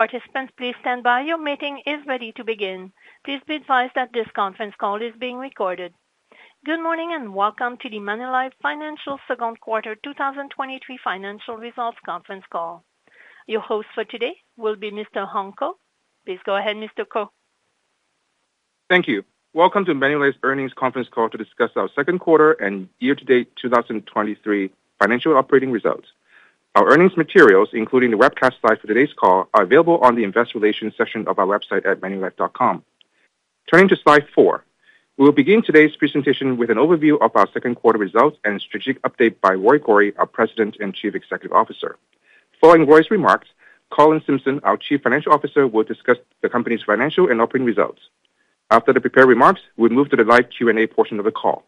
Participants, please stand by. Your meeting is ready to begin. Please be advised that this conference call is being recorded. Good morning, welcome to the Manulife Financial Second Quarter 2023 Financial Results Conference Call. Your host for today will be Mr. Hung Ko. Please go ahead, Mr. Ko. Thank you. Welcome to Manulife's earnings conference call to discuss our second quarter and year-to-date 2023 financial operating results. Our earnings materials, including the webcast slide for today's call, are available on the investor relations section of our website at manulife.com. Turning to slide four, we will begin today's presentation with an overview of our second quarter results and strategic update by Roy Gori, our President and Chief Executive Officer. Following Roy's remarks, Colin Simpson, our Chief Financial Officer, will discuss the company's financial and operating results. After the prepared remarks, we'll move to the live Q&A portion of the call.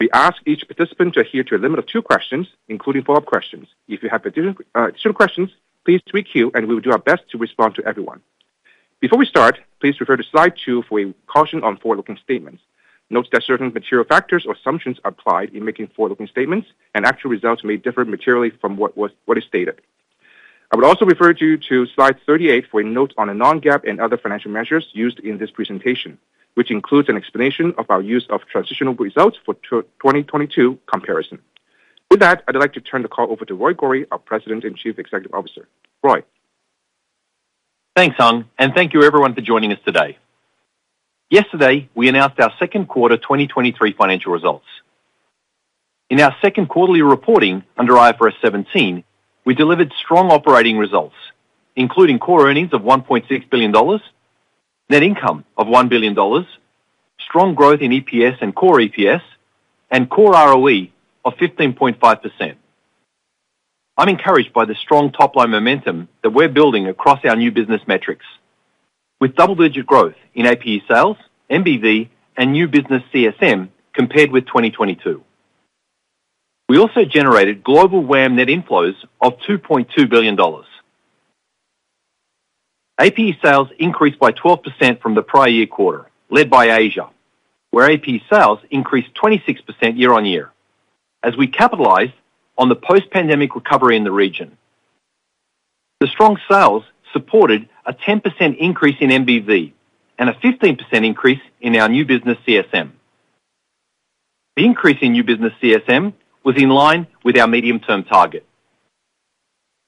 We ask each participant to adhere to a limit of two questions, including follow-up questions. If you have additional questions, please queue, and we will do our best to respond to everyone. Before we start, please refer to slide two for a caution on forward-looking statements. Note that certain material factors or assumptions applied in making forward-looking statements and actual results may differ materially from what is stated. I would also refer you to slide 38 for a note on a non-GAAP and other financial measures used in this presentation, which includes an explanation of our use of transitional results for 2022 comparison. With that, I'd like to turn the call over to Roy Gori, our President and Chief Executive Officer. Roy? Thanks, Hung, thank you everyone for joining us today. Yesterday, we announced our second quarter 2023 financial results. In our second quarterly reporting under IFRS 17, we delivered strong operating results, including Core earnings of $1.6 billion, net income of $1 billion, strong growth in EPS and Core EPS, and Core ROE of 15.5%. I'm encouraged by the strong top-line momentum that we're building across our new business metrics, with double-digit growth in APE sales, MBV, and new business CSM compared with 2022. We also generated global WAM net inflows of $2.2 billion. APE sales increased by 12% from the prior year quarter, led by Asia, where APE sales increased 26% year-on-year, as we capitalized on the post-pandemic recovery in the region. The strong sales supported a 10% increase in MBV and a 15% increase in our new business CSM. The increase in new business CSM was in line with our medium-term target.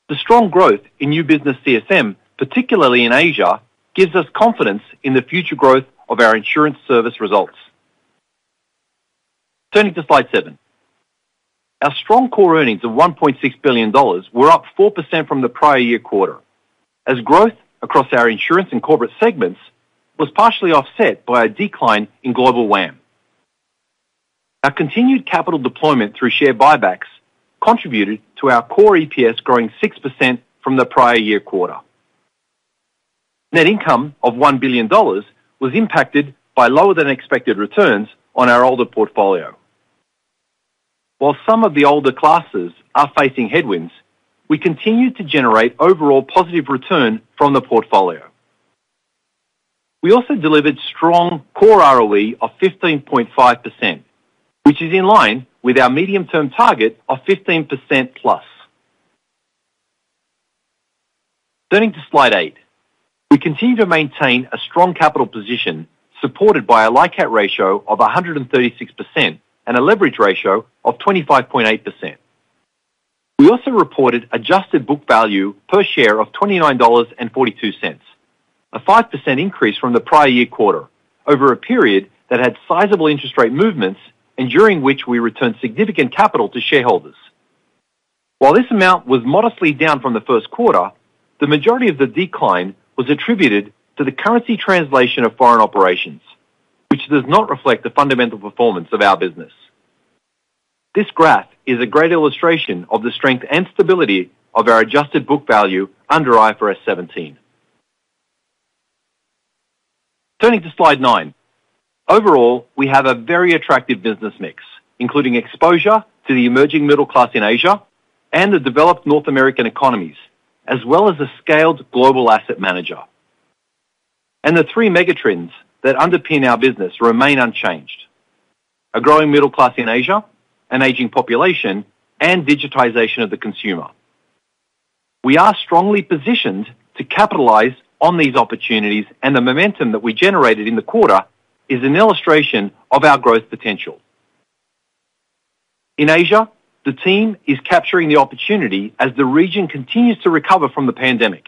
The strong growth in new business CSM, particularly in Asia, gives us confidence in the future growth of our insurance service results. Turning to slide seven. Our strong core earnings of $1.6 billion were up 4% from the prior year quarter, as growth across our insurance and corporate segments was partially offset by a decline in global WAM. Our continued capital deployment through share buybacks contributed to our core EPS growing 6% from the prior year quarter. Net income of $1 billion was impacted by lower than expected returns on our older portfolio. While some of the older classes are facing headwinds, we continue to generate overall positive return from the portfolio. We also delivered strong Core ROE of 15.5%, which is in line with our medium-term target of 15%+. Turning to slide eight. We continue to maintain a strong capital position, supported by a LICAT ratio of 136% and a leverage ratio of 25.8%. We also reported adjusted book value per share of 29.42 dollars, a 5% increase from the prior-year quarter over a period that had sizable interest rate movements and during which we returned significant capital to shareholders. While this amount was modestly down from the first quarter, the majority of the decline was attributed to the currency translation of foreign operations, which does not reflect the fundamental performance of our business. This graph is a great illustration of the strength and stability of our adjusted book value under IFRS 17. Turning to slide nine. Overall, we have a very attractive business mix, including exposure to the emerging middle class in Asia and the developed North American economies, as well as a scaled global asset manager. The 3 megatrends that underpin our business remain unchanged: a growing middle class in Asia, an aging population, and digitization of the consumer. We are strongly positioned to capitalize on these opportunities, and the momentum that we generated in the quarter is an illustration of our growth potential. In Asia, the team is capturing the opportunity as the region continues to recover from the pandemic.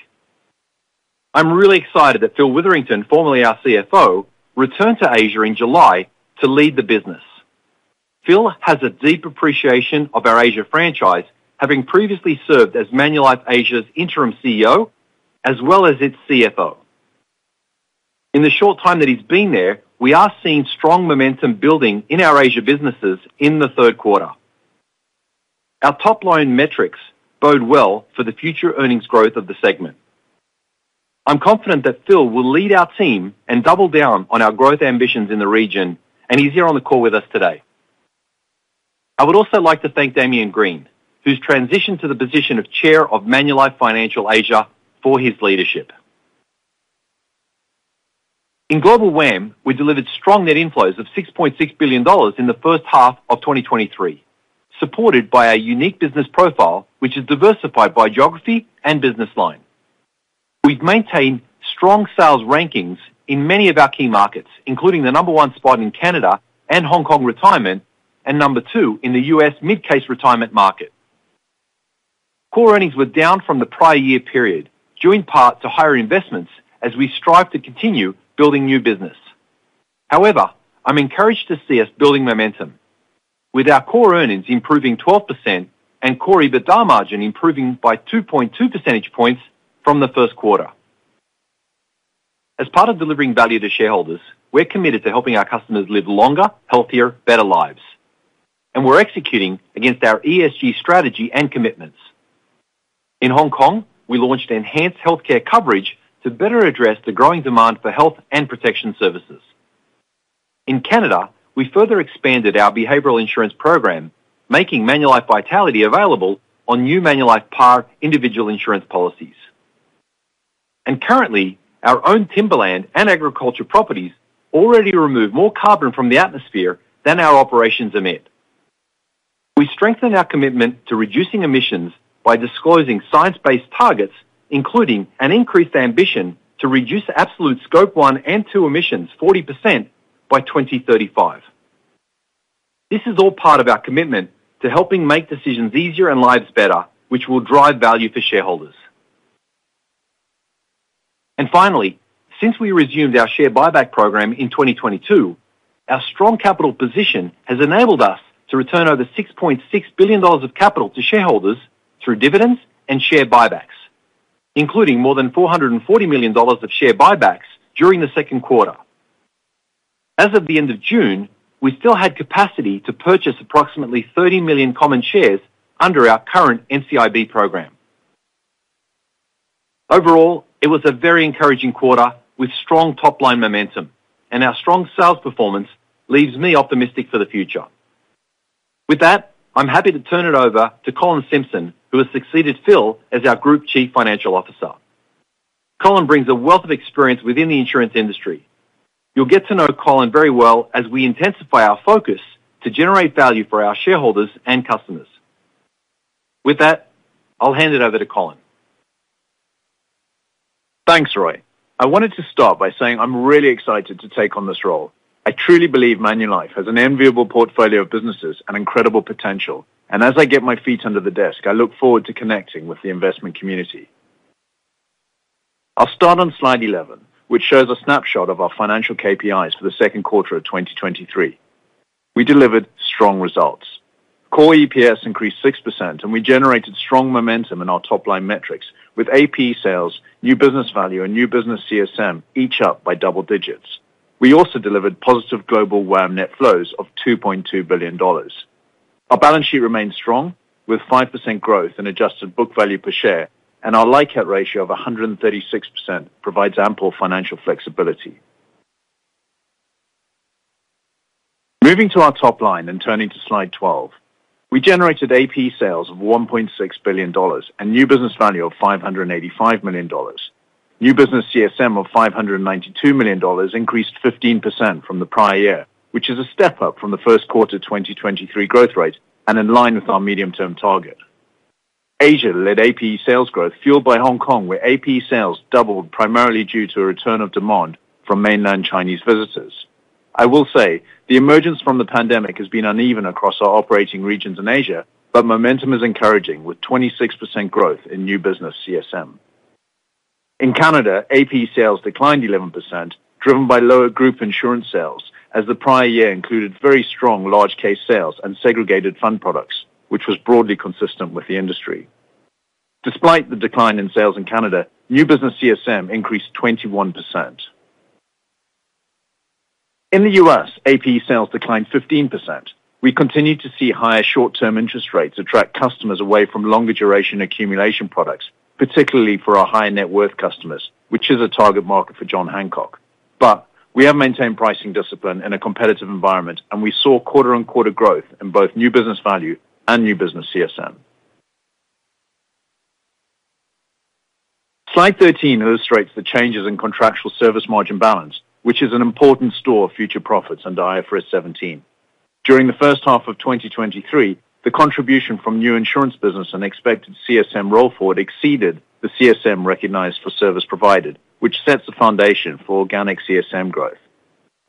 I'm really excited that Phil Witherington, formerly our CFO, returned to Asia in July to lead the business. Phil has a deep appreciation of our Asia franchise, having previously served as Manulife Asia's interim CEO as well as its CFO. In the short time that he's been there, we are seeing strong momentum building in our Asia businesses in the third quarter. Our top-line metrics bode well for the future earnings growth of the segment. I'm confident that Phil will lead our team and double down on our growth ambitions in the region, and he's here on the call with us today. I would also like to thank Damien Green, whose transition to the position of Chair of Manulife Financial Asia, for his leadership. In Global WAM, we delivered strong net inflows of 6.6 billion dollars in the first half of 2023, supported by our unique business profile, which is diversified by geography and business line. We've maintained strong sales rankings in many of our key markets, including the number one spot in Canada and Hong Kong retirement, and number two in the U.S. mid-case retirement market. Core earnings were down from the prior year period, due in part to higher investments as we strive to continue building new business. I'm encouraged to see us building momentum with our core earnings improving 12% and Core EBITDA margin improving by 2.2 percentage points from the first quarter. As part of delivering value to shareholders, we're committed to helping our customers live longer, healthier, better lives, we're executing against our ESG strategy and commitments. In Hong Kong, we launched enhanced healthcare coverage to better address the growing demand for health and protection services. In Canada, we further expanded our behavioral insurance program, making Manulife Vitality available on new Manulife Par individual insurance policies. Currently, our own timberland and agriculture properties already remove more carbon from the atmosphere than our operations emit. We strengthened our commitment to reducing emissions by disclosing Science-Based Targets, including an increased ambition to reduce absolute Scope 1 and 2 emissions 40% by 2035. This is all part of our commitment to helping make decisions easier and lives better, which will drive value for shareholders. Finally, since we resumed our share buyback program in 2022, our strong capital position has enabled us to return over $6.6 billion of capital to shareholders through dividends and share buybacks, including more than $440 million of share buybacks during the second quarter. As of the end of June, we still had capacity to purchase approximately 30 million common shares under our current NCIB program. Overall, it was a very encouraging quarter with strong top-line momentum. Our strong sales performance leaves me optimistic for the future. With that, I'm happy to turn it over to Colin Simpson, who has succeeded Phil as our Group Chief Financial Officer. Colin brings a wealth of experience within the insurance industry. You'll get to know Colin very well as we intensify our focus to generate value for our shareholders and customers. With that, I'll hand it over to Colin. Thanks, Roy. I wanted to start by saying I'm really excited to take on this role. I truly believe Manulife has an enviable portfolio of businesses and incredible potential. As I get my feet under the desk, I look forward to connecting with the investment community. I'll start on slide 11, which shows a snapshot of our financial KPIs for the second quarter of 2023. We delivered strong results. Core EPS increased 6%. We generated strong momentum in our top-line metrics with APE sales, new business value, and new business CSM, each up by double digits. We also delivered positive global WAM net flows of 2.2 billion dollars. Our balance sheet remains strong, with 5% growth in adjusted book value per share. Our LICAT ratio of 136% provides ample financial flexibility. Moving to our top line and turning to slide 12, we generated APE sales of 1.6 billion dollars and new business value of 585 million dollars. New business CSM of 592 million dollars increased 15% from the prior year, which is a step up from the first quarter 2023 growth rate and in line with our medium-term target. Asia led APE sales growth, fueled by Hong Kong, where APE sales doubled, primarily due to a return of demand from mainland Chinese visitors. I will say, the emergence from the pandemic has been uneven across our operating regions in Asia, but momentum is encouraging, with 26% growth in new business CSM. In Canada, APE sales declined 11%, driven by lower group insurance sales, as the prior year included very strong large case sales and Segregated Funds products, which was broadly consistent with the industry. Despite the decline in sales in Canada, new business CSM increased 21%. In the U.S., APE sales declined 15%. We continued to see higher short-term interest rates attract customers away from longer duration accumulation products, particularly for our high net worth customers, which is a target market for John Hancock. We have maintained pricing discipline in a competitive environment, and we saw quarter-on-quarter growth in both new business value and new business CSM. Slide 13 illustrates the changes in contractual service margin balance, which is an important store of future profits under IFRS 17. During the first half of 2023, the contribution from new insurance business and expected CSM roll forward exceeded the CSM recognized for service provided, which sets the foundation for organic CSM growth.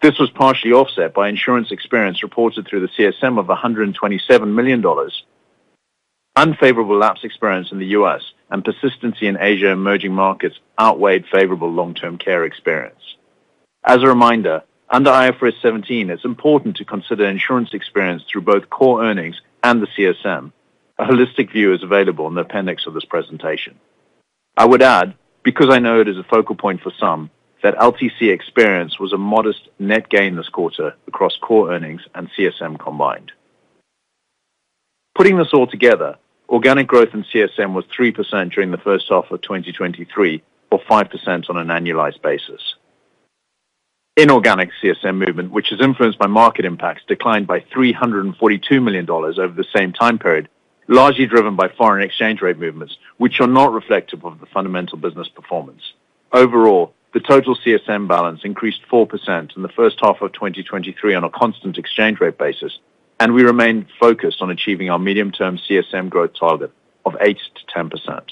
This was partially offset by insurance experience reported through the CSM of $127 million. Unfavorable lapse experience in the U.S. and persistency in Asia emerging markets outweighed favorable long-term care experience. As a reminder, under IFRS 17, it's important to consider insurance experience through both core earnings and the CSM. A holistic view is available in the appendix of this presentation. I would add, because I know it is a focal point for some, that LTC experience was a modest net gain this quarter across core earnings and CSM combined. Putting this all together, organic growth in CSM was 3% during the first half of 2023, or 5% on an annualized basis. Inorganic CSM movement, which is influenced by market impacts, declined by $342 million over the same time period. Largely driven by foreign exchange rate movements, which are not reflective of the fundamental business performance. Overall, the total CSM balance increased 4% in the first half of 2023 on a constant exchange rate basis, and we remain focused on achieving our medium-term CSM growth target of 8%-10%.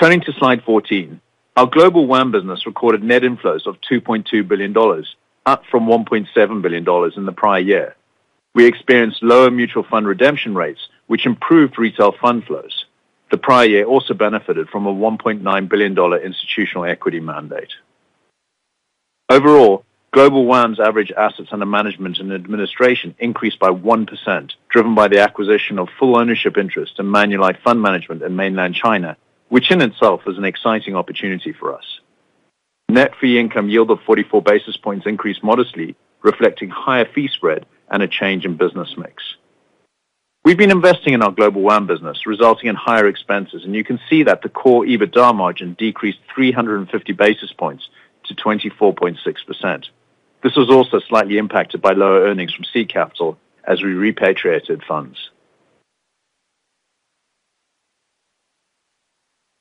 Turning to slide 14, our global WAM business recorded net inflows of $2.2 billion, up from $1.7 billion in the prior year. We experienced lower mutual fund redemption rates, which improved retail fund flows. The prior year also benefited from a 1.9 billion dollar institutional equity mandate. Overall, global WAM's average assets under management and administration increased by 1%, driven by the acquisition of full ownership interest in Manulife Fund Management in mainland China, which in itself is an exciting opportunity for us. Net fee income yield of 44 basis points increased modestly, reflecting higher fee spread and a change in business mix. We've been investing in our global WAM business, resulting in higher expenses, and you can see that the core EBITDA margin decreased 350 basis points to 24.6%. This was also slightly impacted by lower earnings from C Capital as we repatriated funds.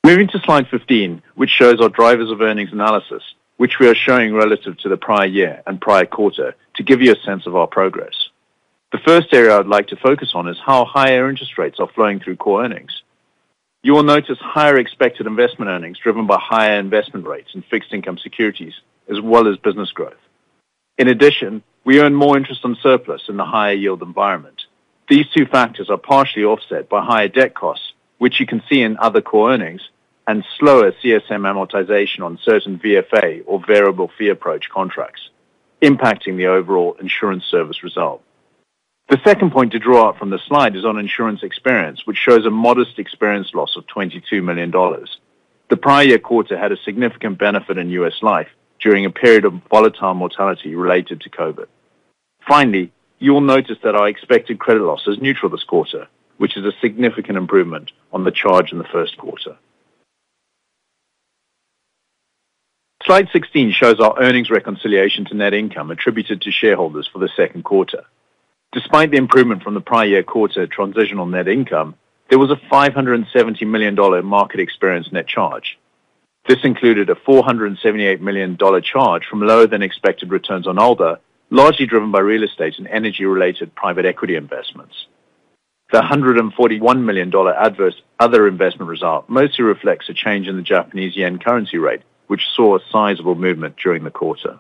Moving to slide 15, which shows our drivers of earnings analysis, which we are showing relative to the prior year and prior quarter to give you a sense of our progress. The first area I'd like to focus on is how higher interest rates are flowing through core earnings. You will notice higher expected investment earnings, driven by higher investment rates in fixed income securities, as well as business growth. In addition, we earn more interest on surplus in the higher yield environment. These two factors are partially offset by higher debt costs, which you can see in other core earnings, and slower CSM amortization on certain VFA or Variable Fee Approach contracts, impacting the overall insurance service result. The second point to draw out from the slide is on insurance experience, which shows a modest experience loss of $22 million. The prior year quarter had a significant benefit in U.S. Life during a period of volatile mortality related to COVID. You will notice that our expected credit loss is neutral this quarter, which is a significant improvement on the charge in the first quarter. Slide 16 shows our earnings reconciliation to net income attributed to shareholders for the second quarter. Despite the improvement from the prior year quarter transitional net income, there was a $570 million market experience net charge. This included a $478 million charge from lower than expected returns on ALDA, largely driven by real estate and energy-related private equity investments. The $141 million adverse other investment result mostly reflects a change in the Japanese yen currency rate, which saw a sizable movement during the quarter.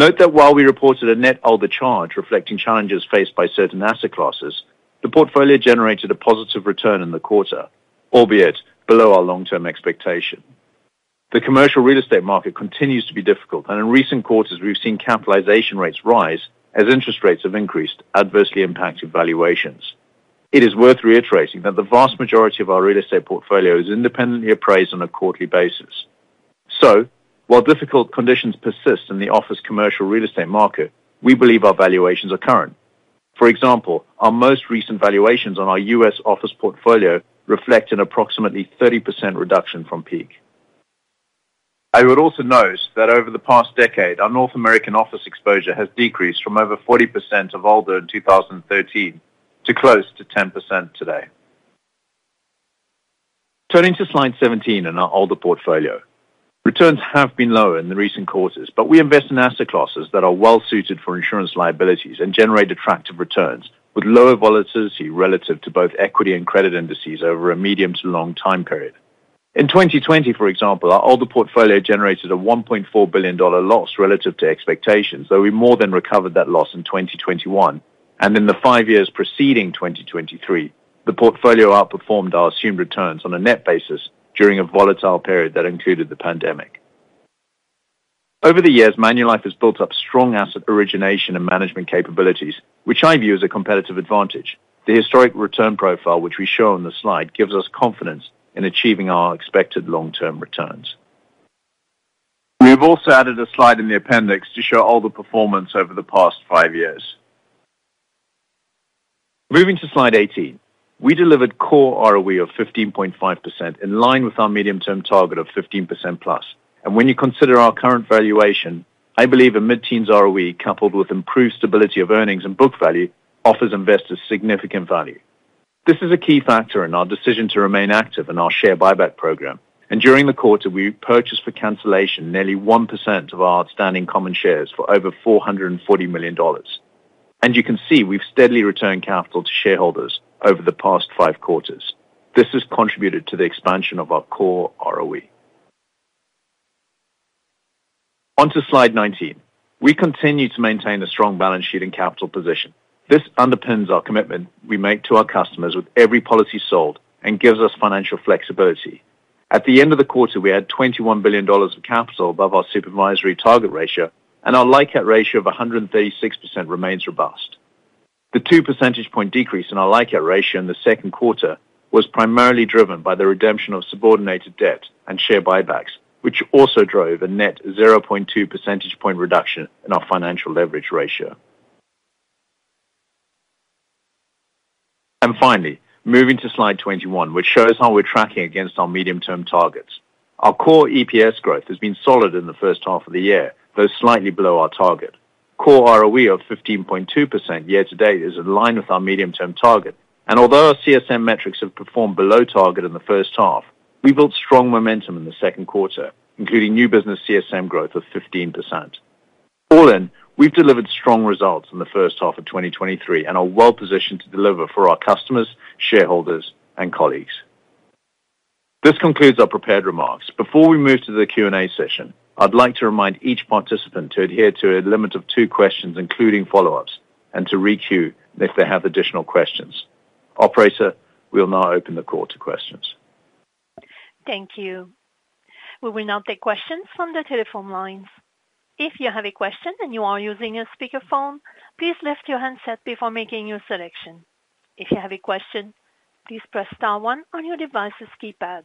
Note that while we reported a net ALDA charge reflecting challenges faced by certain asset classes, the portfolio generated a positive return in the quarter, albeit below our long-term expectation. The commercial real estate market continues to be difficult, in recent quarters, we've seen capitalization rates rise as interest rates have increased, adversely impacting valuations. It is worth reiterating that the vast majority of our real estate portfolio is independently appraised on a quarterly basis. While difficult conditions persist in the office commercial real estate market, we believe our valuations are current. For example, our most recent valuations on our U.S. office portfolio reflect an approximately 30% reduction from peak. I would also note that over the past decade, our North American office exposure has decreased from over 40% of ALDA in 2013 to close to 10% today. Turning to slide 17 and our ALDA portfolio. Returns have been lower in the recent quarters. We invest in asset classes that are well suited for insurance liabilities and generate attractive returns, with lower volatility relative to both equity and credit indices over a medium to long time period. In 2020, for example, our ALDA portfolio generated a $1.4 billion loss relative to expectations, though we more than recovered that loss in 2021. In the five years preceding 2023, the portfolio outperformed our assumed returns on a net basis during a volatile period that included the pandemic. Over the years, Manulife has built up strong asset origination and management capabilities, which I view as a competitive advantage. The historic return profile, which we show on the slide, gives us confidence in achieving our expected long-term returns. We have also added a slide in the appendix to show all the performance over the past five years. Moving to slide 18. We delivered Core ROE of 15.5%, in line with our medium-term target of 15%+. When you consider our current valuation, I believe a mid-teens ROE, coupled with improved stability of earnings and book value, offers investors significant value. This is a key factor in our decision to remain active in our share buyback program, and during the quarter, we purchased for cancellation nearly 1% of our outstanding common shares for over $440 million. You can see, we've steadily returned capital to shareholders over the past five quarters. This has contributed to the expansion of our Core ROE. On to slide 19. We continue to maintain a strong balance sheet and capital position. This underpins our commitment we make to our customers with every policy sold and gives us financial flexibility. At the end of the quarter, we had $21 billion of capital above our supervisory target ratio, and our LICAT ratio of 136% remains robust. The 2 percentage point decrease in our LICAT ratio in the second quarter was primarily driven by the redemption of subordinated debt and share buybacks, which also drove a net 0.2 percentage point reduction in our financial leverage ratio. Finally, moving to slide 21, which shows how we're tracking against our medium-term targets. Our Core EPS growth has been solid in the first half of the year, though slightly below our target. Core ROE of 15.2% year to date is in line with our medium-term target. Although our CSM metrics have performed below target in the first half, we built strong momentum in the second quarter, including new business CSM growth of 15%. All in, we've delivered strong results in the first half of 2023, and are well positioned to deliver for our customers, shareholders, and colleagues. This concludes our prepared remarks. Before we move to the Q&A session, I'd like to remind each participant to adhere to a limit of two questions, including follow-ups, and to requeue if they have additional questions. Operator, we'll now open the call to questions. Thank you. We will now take questions from the telephone lines. If you have a question and you are using a speakerphone, please lift your handset before making your selection. If you have a question, please press star one on your device's keypad.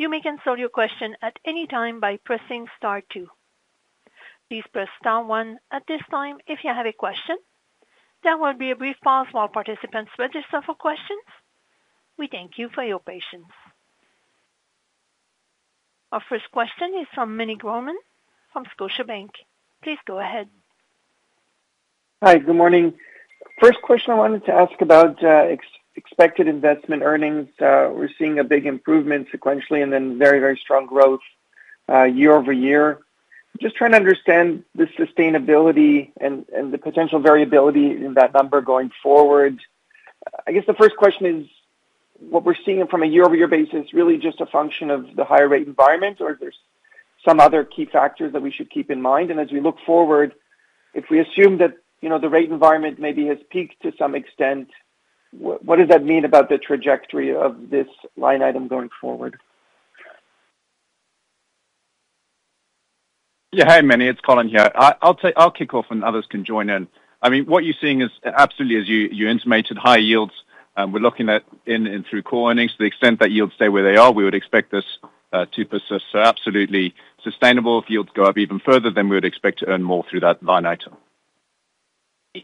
You may cancel your question at any time by pressing star two. Please press star one at this time if you have a question. There will be a brief pause while participants register for questions. We thank you for your patience. Our first question is from Meny Grauman, from Scotiabank. Please go ahead. Hi, good morning. First question I wanted to ask about, expected investment earnings. We're seeing a big improvement sequentially and then very, very strong growth, year-over-year. Just trying to understand the sustainability and the potential variability in that number going forward. I guess the first question is: what we're seeing from a year-over-year basis, is really just a function of the higher rate environment, or there's some other key factors that we should keep in mind? As we look forward, if we assume that, you know, the rate environment maybe has peaked to some extent, what does that mean about the trajectory of this line item going forward? Yeah. Hi, Meny, it's Colin here. I'll kick off, and others can join in. I mean, what you're seeing is absolutely, as you, you intimated, higher yields. We're looking at in, in through core earnings, to the extent that yields stay where they are, we would expect this to persist. Absolutely sustainable. If yields go up even further, we would expect to earn more through that line item.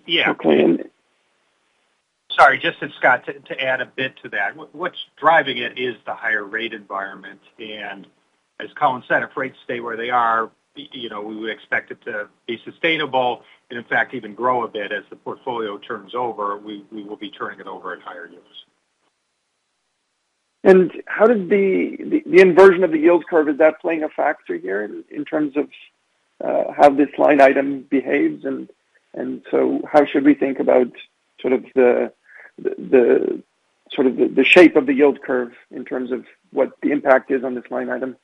Yeah. Okay. Sorry, Scott. To add a bit to that. What's driving it is the higher rate environment, and as Colin said, if rates stay where they are, you know, we would expect it to be sustainable, and in fact, even grow a bit. As the portfolio turns over, we will be turning it over at higher yields. How does the, the inversion of the yield curve, is that playing a factor here in terms of how this line item behaves? And how should we think about sort of the, the, the sort of the shape of the yield curve in terms of what the impact is on this line item?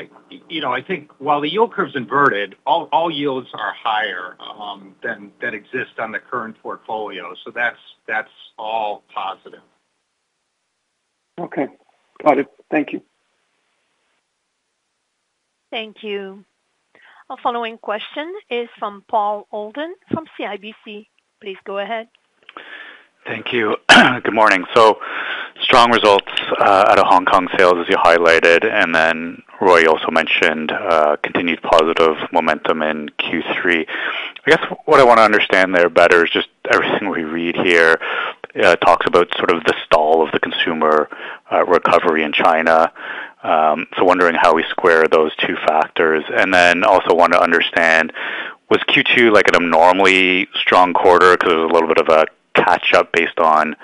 I, you know, I think while the yield curve's inverted, all, all yields are higher, than, than exist on the current portfolio, so that's, that's all positive. Okay. Got it. Thank you. Thank you. Our following question is from Paul Holden, from CIBC. Please go ahead. Thank you. Good morning. Strong results out of Hong Kong sales, as you highlighted, and then Roy also mentioned continued positive momentum in Q3. I guess what I want to understand there better is just everything we read here talks about sort of the stall of the consumer recovery in China. Wondering how we square those two factors. Then also want to understand, was Q2 like an abnormally strong quarter because it was a little bit of a catch-up based on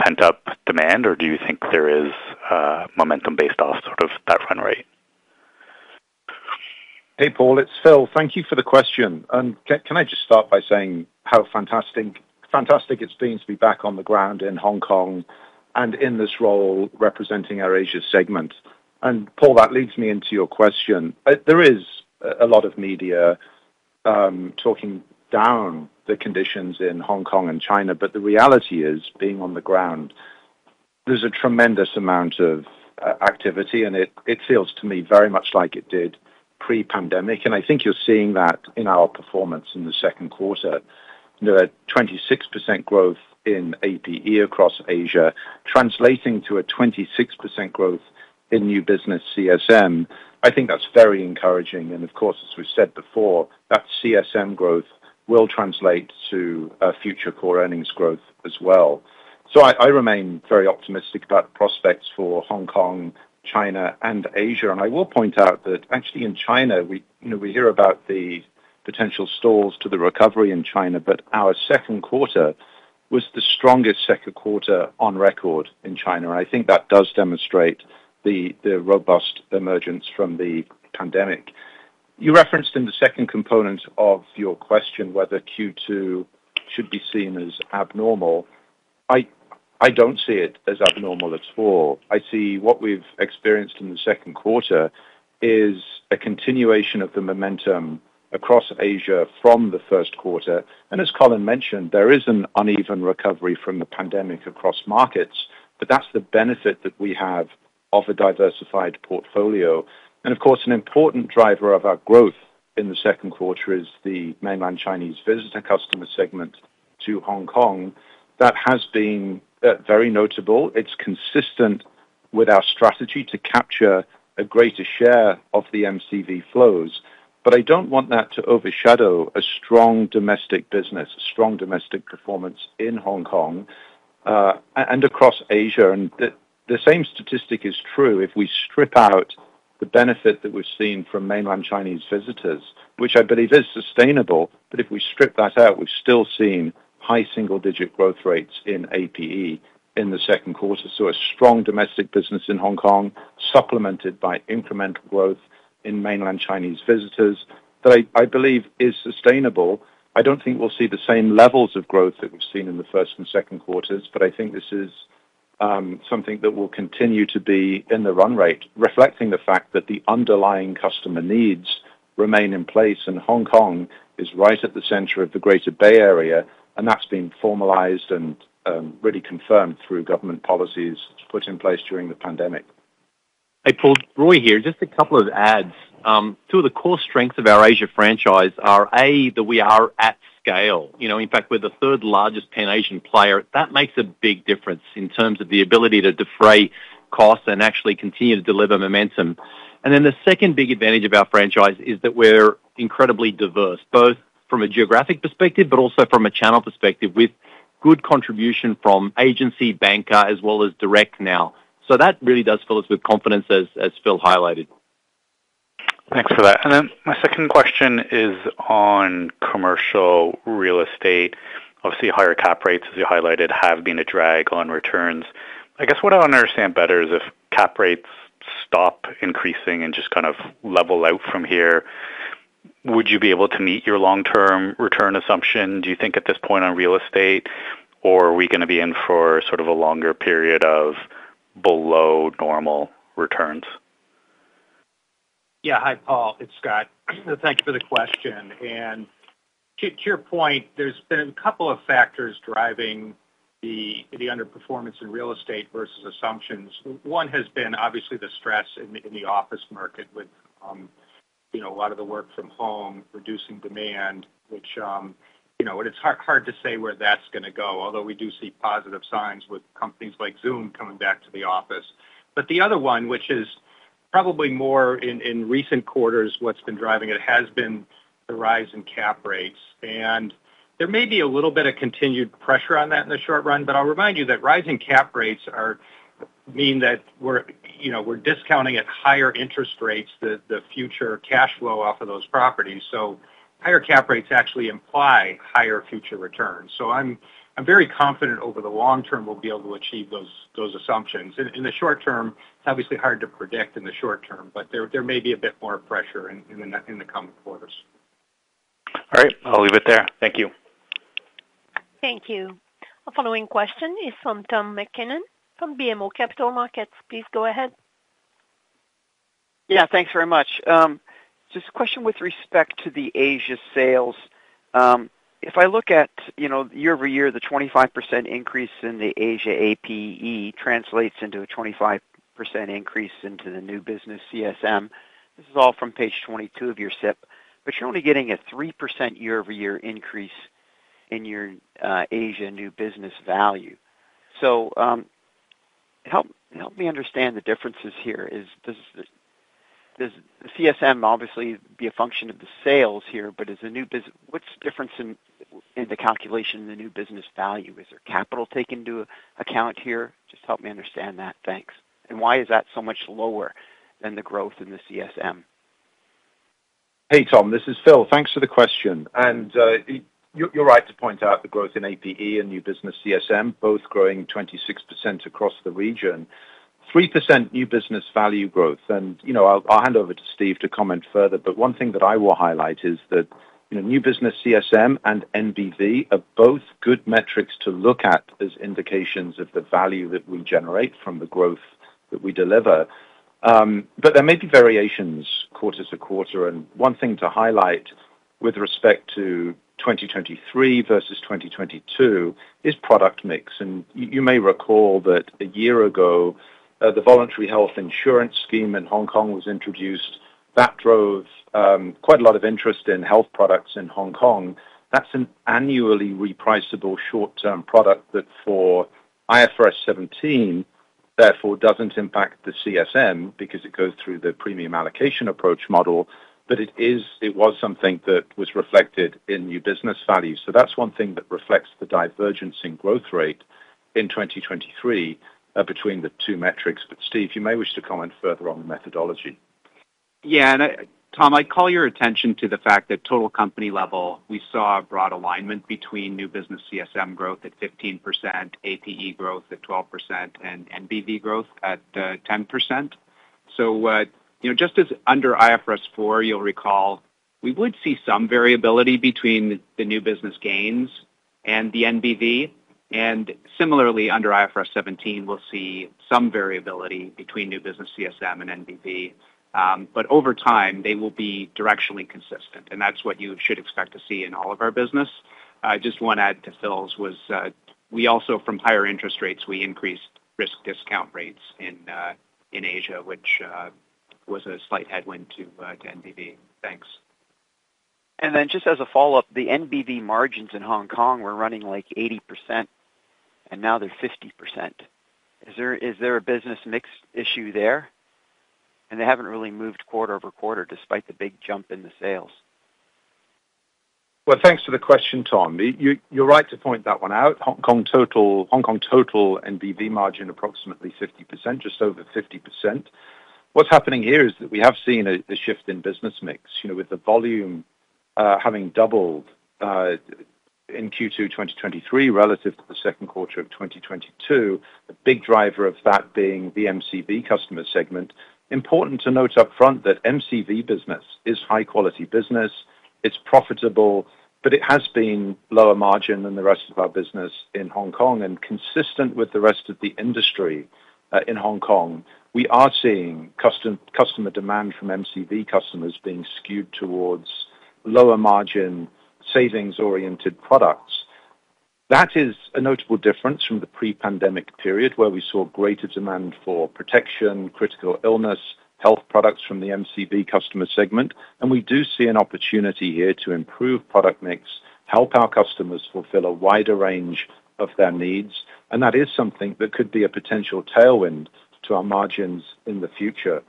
pent-up demand, or do you think there is momentum based off sort of that run rate? Hey, Paul, it's Phil. Thank you for the question. Can I just start by saying how fantastic, fantastic it's been to be back on the ground in Hong Kong and in this role representing our Asia segment. Paul, that leads me into your question. There is a lot of media talking down the conditions in Hong Kong and China, but the reality is, being on the ground, there's a tremendous amount of activity, and it, it feels to me very much like it did pre-pandemic. I think you're seeing that in our performance in the second quarter. You know, a 26% growth in APE across Asia, translating to a 26% growth in new business CSM. I think that's very encouraging. Of course, as we've said before, that CSM growth will translate to a future core earnings growth as well. I, I remain very optimistic about the prospects for Hong Kong, China, and Asia. I will point out that actually in China, we, you know, we hear about the potential stalls to the recovery in China, but our second quarter was the strongest second quarter on record in China. I think that does demonstrate the, the robust emergence from the pandemic. You referenced in the second component of your question whether Q2 should be seen as abnormal. I, I don't see it as abnormal at all. I see what we've experienced in the second quarter is a continuation of the momentum across Asia from the first quarter. As Colin mentioned, there is an uneven recovery from the pandemic across markets, but that's the benefit that we have of a diversified portfolio. Of course, an important driver of our growth in the second quarter is the mainland Chinese visitor customer segment to Hong Kong. That has been very notable. It's consistent with our strategy to capture a greater share of the MCV flows. I don't want that to overshadow a strong domestic business, a strong domestic performance in Hong Kong and across Asia. The same statistic is true if we strip out the benefit that we've seen from mainland Chinese visitors, which I believe is sustainable. If we strip that out, we've still seen high single-digit growth rates in APE in the second quarter. A strong domestic business in Hong Kong, supplemented by incremental growth in mainland Chinese visitors, that I believe is sustainable. I don't think we'll see the same levels of growth that we've seen in the first and second quarters, but I think this is, something that will continue to be in the run rate, reflecting the fact that the underlying customer needs remain in place, and Hong Kong is right at the center of the Greater Bay Area, and that's been formalized and, really confirmed through government policies put in place during the pandemic. Hey, Paul, Roy here. Just a couple of adds. Two of the core strengths of our Asia franchise are, A, that we are at scale. You know, in fact, we're the 3rd largest pan-Asian player. That makes a big difference in terms of the ability to defray costs and actually continue to deliver momentum. The second big advantage of our franchise is that we're incredibly diverse, both from a geographic perspective, but also from a channel perspective, with good contribution from agency, banker, as well as direct now. That really does fill us with confidence, as, as Phil highlighted. Thanks for that. My second question is on commercial real estate. Obviously, higher cap rates, as you highlighted, have been a drag on returns. I guess what I want to understand better is if cap rates stop increasing and just kind of level out from here, would you be able to meet your long-term return assumption, do you think, at this point on real estate? Are we going to be in for sort of a longer period of below normal returns? Yeah. Hi, Paul, it's Scott. Thank you for the question. To, to your point, there's been a couple of factors driving the, the underperformance in real estate versus assumptions. One has been obviously the stress in the, in the office market with, you know, a lot of the work from home, reducing demand, which, you know, and it's hard to say where that's going to go, although we do see positive signs with companies like Zoom coming back to the office. The other one, which is probably more in, in recent quarters, what's been driving it, has been the rise in cap rates. There may be a little bit of continued pressure on that in the short run, but I'll remind you that rising cap rates mean that we're, you know, we're discounting at higher interest rates, the, the future cash flow off of those properties. Higher cap rates actually imply higher future returns. I'm, I'm very confident over the long term, we'll be able to achieve those, those assumptions. In, in the short term, it's obviously hard to predict in the short term, but there, there may be a bit more pressure in, in the, in the coming quarters. All right. I'll leave it there. Thank you. Thank you. Our following question is from Tom MacKinnon from BMO Capital Markets. Please go ahead. Yeah, thanks very much. Just a question with respect to the Asia sales. If I look at, you know, year-over-year, the 25% increase in the Asia APE translates into a 25% increase into the new business CSM. This is all from page 22 of your SIP, you're only getting a 3% year-over-year increase in your Asia new business value. Help, help me understand the differences here. CSM obviously be a function of the sales here, what's the difference in the calculation in the new business value? Is there capital take into account here? Just help me understand that. Thanks. Why is that so much lower than the growth in the CSM? Hey, Tom, this is Phil. Thanks for the question. You're right to point out the growth in APE and new business CSM, both growing 26% across the region. 3% new business value growth. You know, I'll, I'll hand over to Steve to comment further, but one thing that I will highlight is that, you know, new business CSM and NBV are both good metrics to look at as indications of the value that we generate from the growth that we deliver. There may be variations quarters to quarter, and one thing to highlight with respect to 2023 versus 2022 is product mix. You may recall that a year ago, the Voluntary Health Insurance Scheme in Hong Kong was introduced. That drove quite a lot of interest in health products in Hong Kong. That's an annually repriceable short-term product that for IFRS 17, therefore, doesn't impact the CSM because it goes through the Premium Allocation Approach model, but it is-- it was something that was reflected in new business value. That's one thing that reflects the divergence in growth rate in 2023 between the two metrics. Steve, you may wish to comment further on the methodology. Yeah. I Tom, I'd call your attention to the fact that total company level, we saw a broad alignment between new business CSM growth at 15%, APE growth at 12%, and NBV growth at 10%. You know, just as under IFRS 4, you'll recall, we would see some variability between the new business gains and the NBV, and similarly, under IFRS 17, we'll see some variability between new business CSM and NBV. Over time, they will be directionally consistent, and that's what you should expect to see in all of our business. I just want to add to Phil's, we also from higher interest rates, we increased risk discount rates in Asia, which was a slight headwind to NBV. Thanks. Just as a follow-up, the NBV margins in Hong Kong were running like 80%, and now they're 50%. Is there a business mix issue there? They haven't really moved quarter-over-quarter, despite the big jump in the sales. Well, thanks for the question, Tom MacKinnon. You, you're right to point that one out. Hong Kong total, Hong Kong total NBV margin, approximately 50%, just over 50%. What's happening here is that we have seen a shift in business mix, you know, with the volume having doubled in Q2 2023, relative to the second quarter of 2022. The big driver of that being the MCV customer segment. Important to note up front that MCV business is high quality business. It's profitable, but it has been lower margin than the rest of our business in Hong Kong. Consistent with the rest of the industry in Hong Kong, we are seeing customer demand from MCV customers being skewed towards lower margin, savings-oriented products. That is a notable difference from the pre-pandemic period, where we saw greater demand for protection, critical illness, health products from the MCV customer segment, and we do see an opportunity here to improve product mix, help our customers fulfill a wider range of their needs, and that is something that could be a potential tailwind to our margins in the future.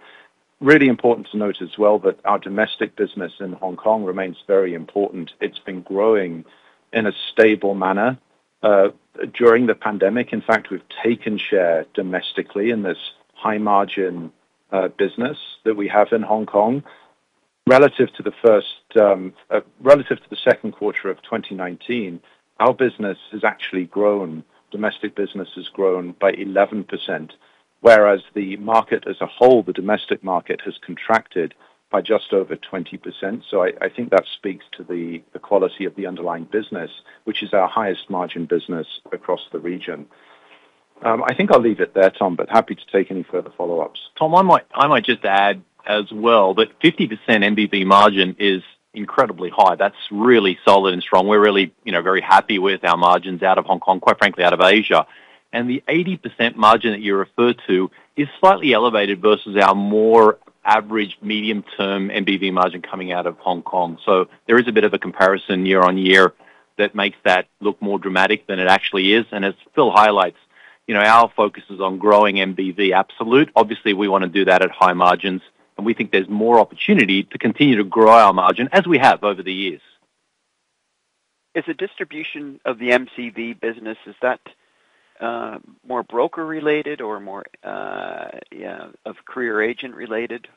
Really important to note as well, that our domestic business in Hong Kong remains very important. It's been growing in a stable manner, during the pandemic. In fact, we've taken share domestically in this high margin, business that we have in Hong Kong. Relative to the first, relative to the second quarter of 2019, our business has actually grown. Domestic business has grown by 11%, whereas the market as a whole, the domestic market, has contracted by just over 20%. I, I think that speaks to the, the quality of the underlying business, which is our highest margin business across the region. I think I'll leave it there, Tom, but happy to take any further follow-ups. Tom, I might, I might just add as well, that 50% NBV margin is incredibly high. That's really solid and strong. We're really, you know, very happy with our margins out of Hong Kong, quite frankly, out of Asia. The 80% margin that you referred to is slightly elevated versus our more average medium-term NBV margin coming out of Hong Kong. There is a bit of a comparison year-over-year that makes that look more dramatic than it actually is, and it still highlights, you know, our focus is on growing NBV absolute. Obviously, we want to do that at high margins, and we think there's more opportunity to continue to grow our margin, as we have over the years. Is the distribution of the MCV business, is that, more broker-related or more, yeah, of career agent-related?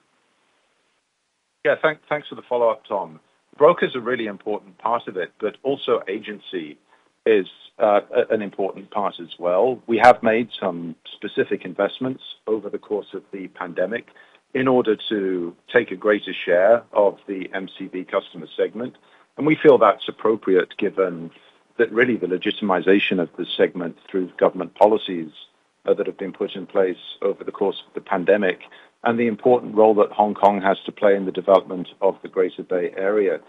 Thanks for the follow-up, Tom. Brokers are really important part of it, but also agency is an important part as well. We have made some specific investments over the course of the pandemic in order to take a greater share of the MCV customer segment, and we feel that's appropriate, given that really the legitimization of this segment through government policies that have been put in place over the course of the pandemic, and the important role that Hong Kong has to play in the development of the Greater Bay Area.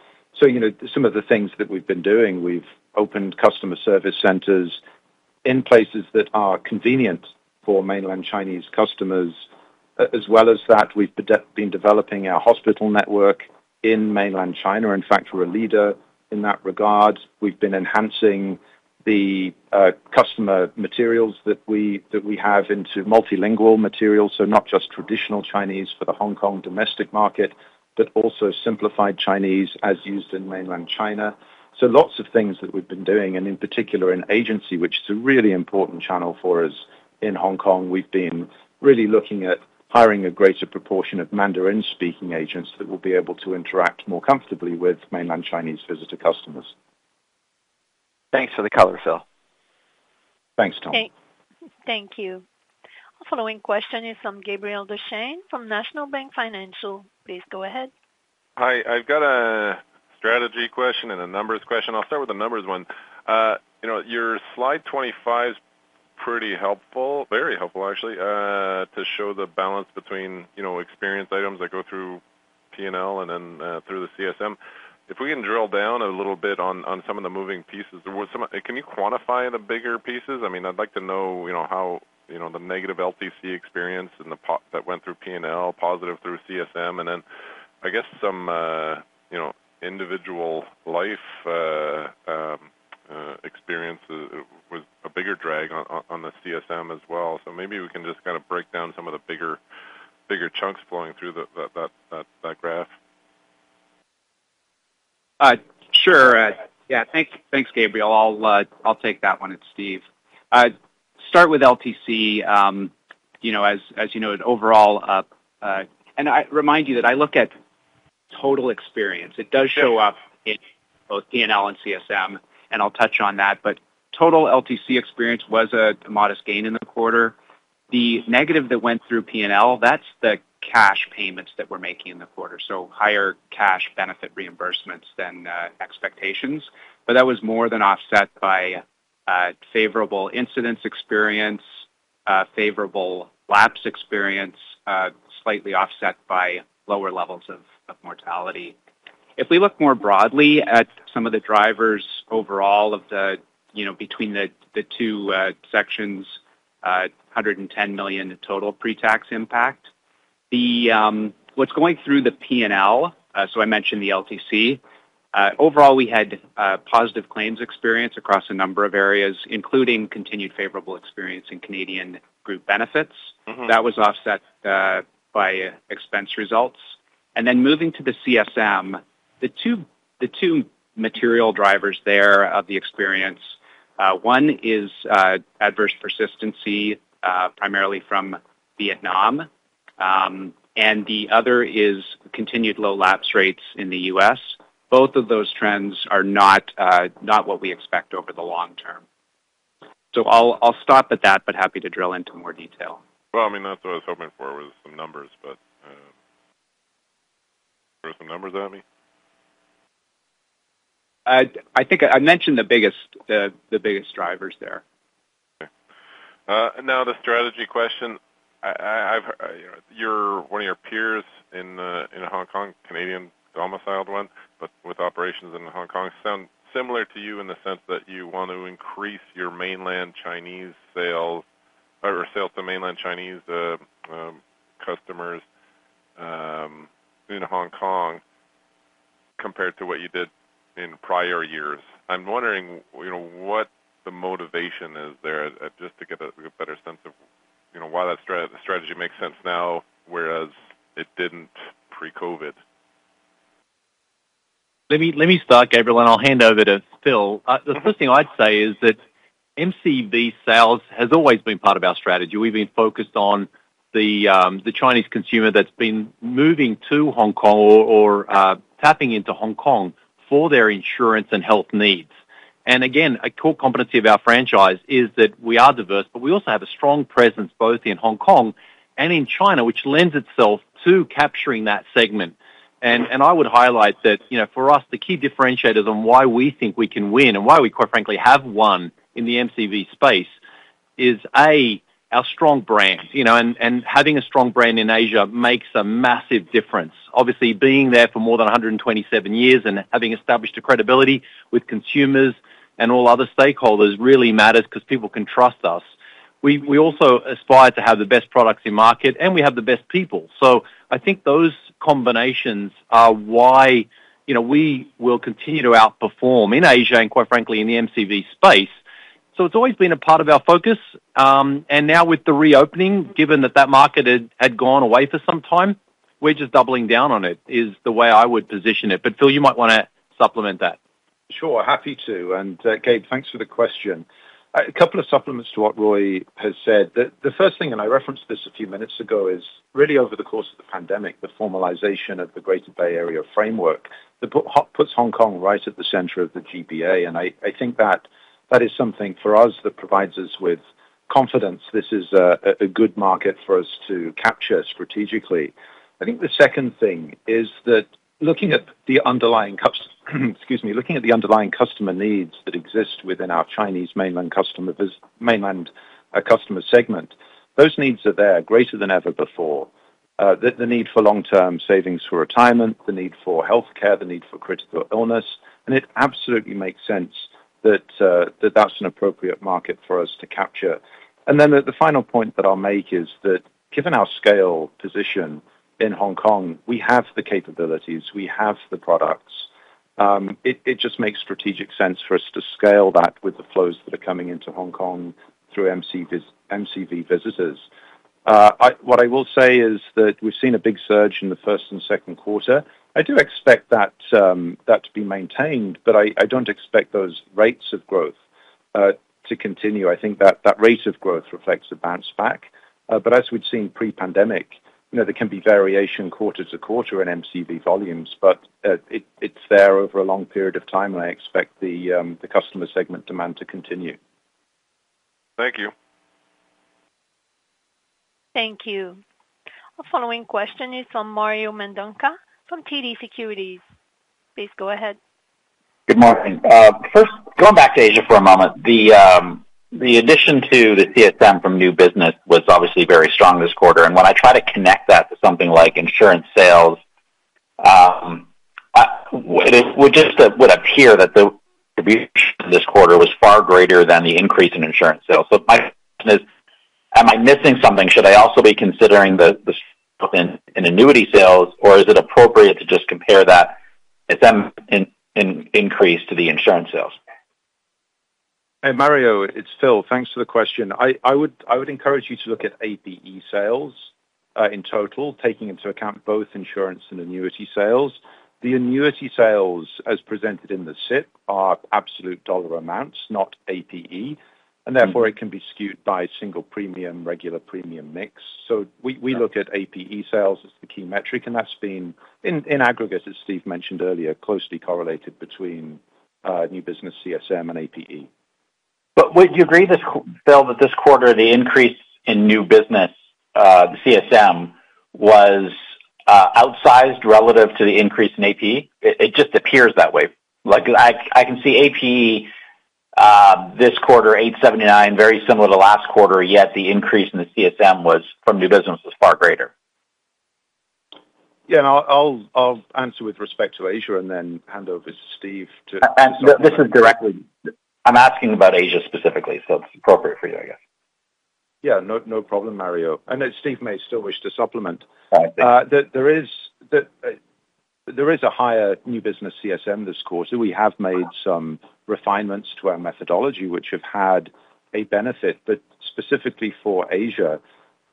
You know, some of the things that we've been doing, we've opened customer service centers in places that are convenient for Mainland Chinese customers. As well as that, we've been developing our hospital network in Mainland China. In fact, we're a leader in that regard. We've been enhancing the customer materials that we, that we have into multilingual materials, so not just traditional Chinese for the Hong Kong domestic market, but also simplified Chinese as used in mainland China. Lots of things that we've been doing, and in particular in agency, which is a really important channel for us in Hong Kong. We've been really looking at hiring a greater proportion of Mandarin-speaking agents that will be able to interact more comfortably with mainland Chinese visitor customers. Thanks for the color, Phil. Thanks, Tom. Thank you. The following question is from Gabriel Dechaine, from National Bank Financial. Please go ahead. Hi, I've got a strategy question and a numbers question. I'll start with the numbers one. You know, your slide 25 is pretty helpful, very helpful, actually, to show the balance between, you know, experience items that go through P&L and then through the CSM. If we can drill down a little bit on, on some of the moving pieces. There were some... Can you quantify the bigger pieces? I mean, I'd like to know, you know, how, you know, the negative LTC experience and that went through P&L, positive through CSM, and then I guess some, you know, individual life experience with a bigger drag on the CSM as well. Maybe we can just kind of break down some of the bigger, bigger chunks flowing through that graph. Sure. Yeah, thank, thanks, Gabriel. I'll, I'll take that one. It's Steve. Start with LTC. You know, as, as you know, overall, I remind you that I look at total experience. It does show up in both P&L and CSM, and I'll touch on that. Total LTC experience was a, a modest gain in the quarter. The negative that went through P&L, that's the cash payments that we're making in the quarter, so higher cash benefit reimbursements than expectations. That was more than offset by favorable incidents experience, favorable lapse experience, slightly offset by lower levels of, of mortality. If we look more broadly at some of the drivers overall of the, you know, between the, the two sections, 110 million in total pre-tax impact. The, what's going through the P&L, so I mentioned the LTC. Overall, we had positive claims experience across a number of areas, including continued favorable experience in Canadian group benefits. Mm-hmm. That was offset by expense results. Moving to the CSM, the two, the two material drivers there of the experience, one is adverse persistency, primarily from Vietnam, and the other is continued low lapse rates in the U.S.. Both of those trends are not what we expect over the long term. I'll, I'll stop at that, but happy to drill into more detail. Well, I mean, that's what I was hoping for, was some numbers, but, throw some numbers at me? I, I think I, I mentioned the biggest, the, the biggest drivers there. Okay. Now, the strategy question. You're one of your peers in Hong Kong, Canadian domiciled one, but with operations in Hong Kong, sound similar to you in the sense that you want to increase your mainland Chinese sales or sales to mainland Chinese customers in Hong Kong, compared to what you did in prior years. I'm wondering, you know, what the motivation is there, just to get a, get better sense of, you know, why that strategy makes sense now, whereas it didn't pre-COVID? Let me, let me start, Gabriel, and I'll hand over to Phil. The first thing I'd say is that MCV sales has always been part of our strategy. We've been focused on the, the Chinese consumer that's been moving to Hong Kong or, tapping into Hong Kong for their insurance and health needs. Again, a core competency of our franchise is that we are diverse, but we also have a strong presence both in Hong Kong and in China, which lends itself to capturing that segment. I would highlight that, you know, for us, the key differentiators on why we think we can win and why we, quite frankly, have won in the MCV space, is, A, our strong brand. You know, and, and having a strong brand in Asia makes a massive difference. Obviously, being there for more than 127 years and having established a credibility with consumers and all other stakeholders really matters because people can trust us. We, we also aspire to have the best products in market, and we have the best people. I think those combinations are why, you know, we will continue to outperform in Asia and quite frankly, in the MCV space. It's always been a part of our focus. Now with the reopening, given that that market had, had gone away for some time, we're just doubling down on it, is the way I would position it. Phil, you might wanna supplement that. Sure, happy to. Gabe, thanks for the question. A couple of supplements to what Roy has said. The first thing, and I referenced this a few minutes ago, is really over the course of the pandemic, the formalization of the Greater Bay Area framework, that put Hong Kong right at the center of the GBA. I, I think that, that is something for us, that provides us with confidence. This is a good market for us to capture strategically. I think the second thing is that looking at the underlying customer needs that exist within our Chinese mainland customer, mainland, customer segment, those needs are there, greater than ever before. The need for long-term savings for retirement, the need for healthcare, the need for critical illness, and it absolutely makes sense that that's an appropriate market for us to capture. The final point that I'll make is that given our scale position in Hong Kong, we have the capabilities, we have the products, it just makes strategic sense for us to scale that with the flows that are coming into Hong Kong through MCV visitors. What I will say is that we've seen a big surge in the first and second quarter. I do expect that to be maintained, but I, I don't expect those rates of growth to continue. I think that, that rate of growth reflects a bounce back. As we'd seen pre-pandemic, you know, there can be variation quarter to quarter in MCV volumes, but, it, it's there over a long period of time, and I expect the, the customer segment demand to continue. Thank you. Thank you. Our following question is from Mario Mendonca, from TD Securities. Please go ahead. Good morning. first, going back to Asia for a moment. The addition to the CSM from new business was obviously very strong this quarter, and when I try to connect that to something like insurance sales, it would just appear that this quarter was far greater than the increase in insurance sales. My question is: am I missing something? Should I also be considering the annuity sales, or is it appropriate to just compare that increase to the insurance sales? Hey, Mario, it's Phil. Thanks for the question. I, I would, I would encourage you to look at APE sales in total, taking into account both insurance and annuity sales. The annuity sales, as presented in the SIP, are absolute dollar amounts, not APE, and therefore it can be skewed by single premium, regular premium mix. We, we look at APE sales as the key metric, and that's been in, in aggregate, as Steve mentioned earlier, closely correlated between new business CSM and APE. Would you agree this, Phil, that this quarter, the increase in new business, the CSM, was outsized relative to the increase in APE? It just appears that way. Like I can see APE this quarter, 879, very similar to last quarter, yet the increase in the CSM was from new business was far greater. Yeah, I'll, I'll, I'll answer with respect to Asia and then hand over to Steve. I'm asking about Asia specifically, so it's appropriate for you, I guess. Yeah. No, no problem, Mario. I know Steve may still wish to supplement. Right. There, there is the, there is a higher new business CSM this quarter. We have made some refinements to our methodology, which have had a benefit. Specifically for Asia,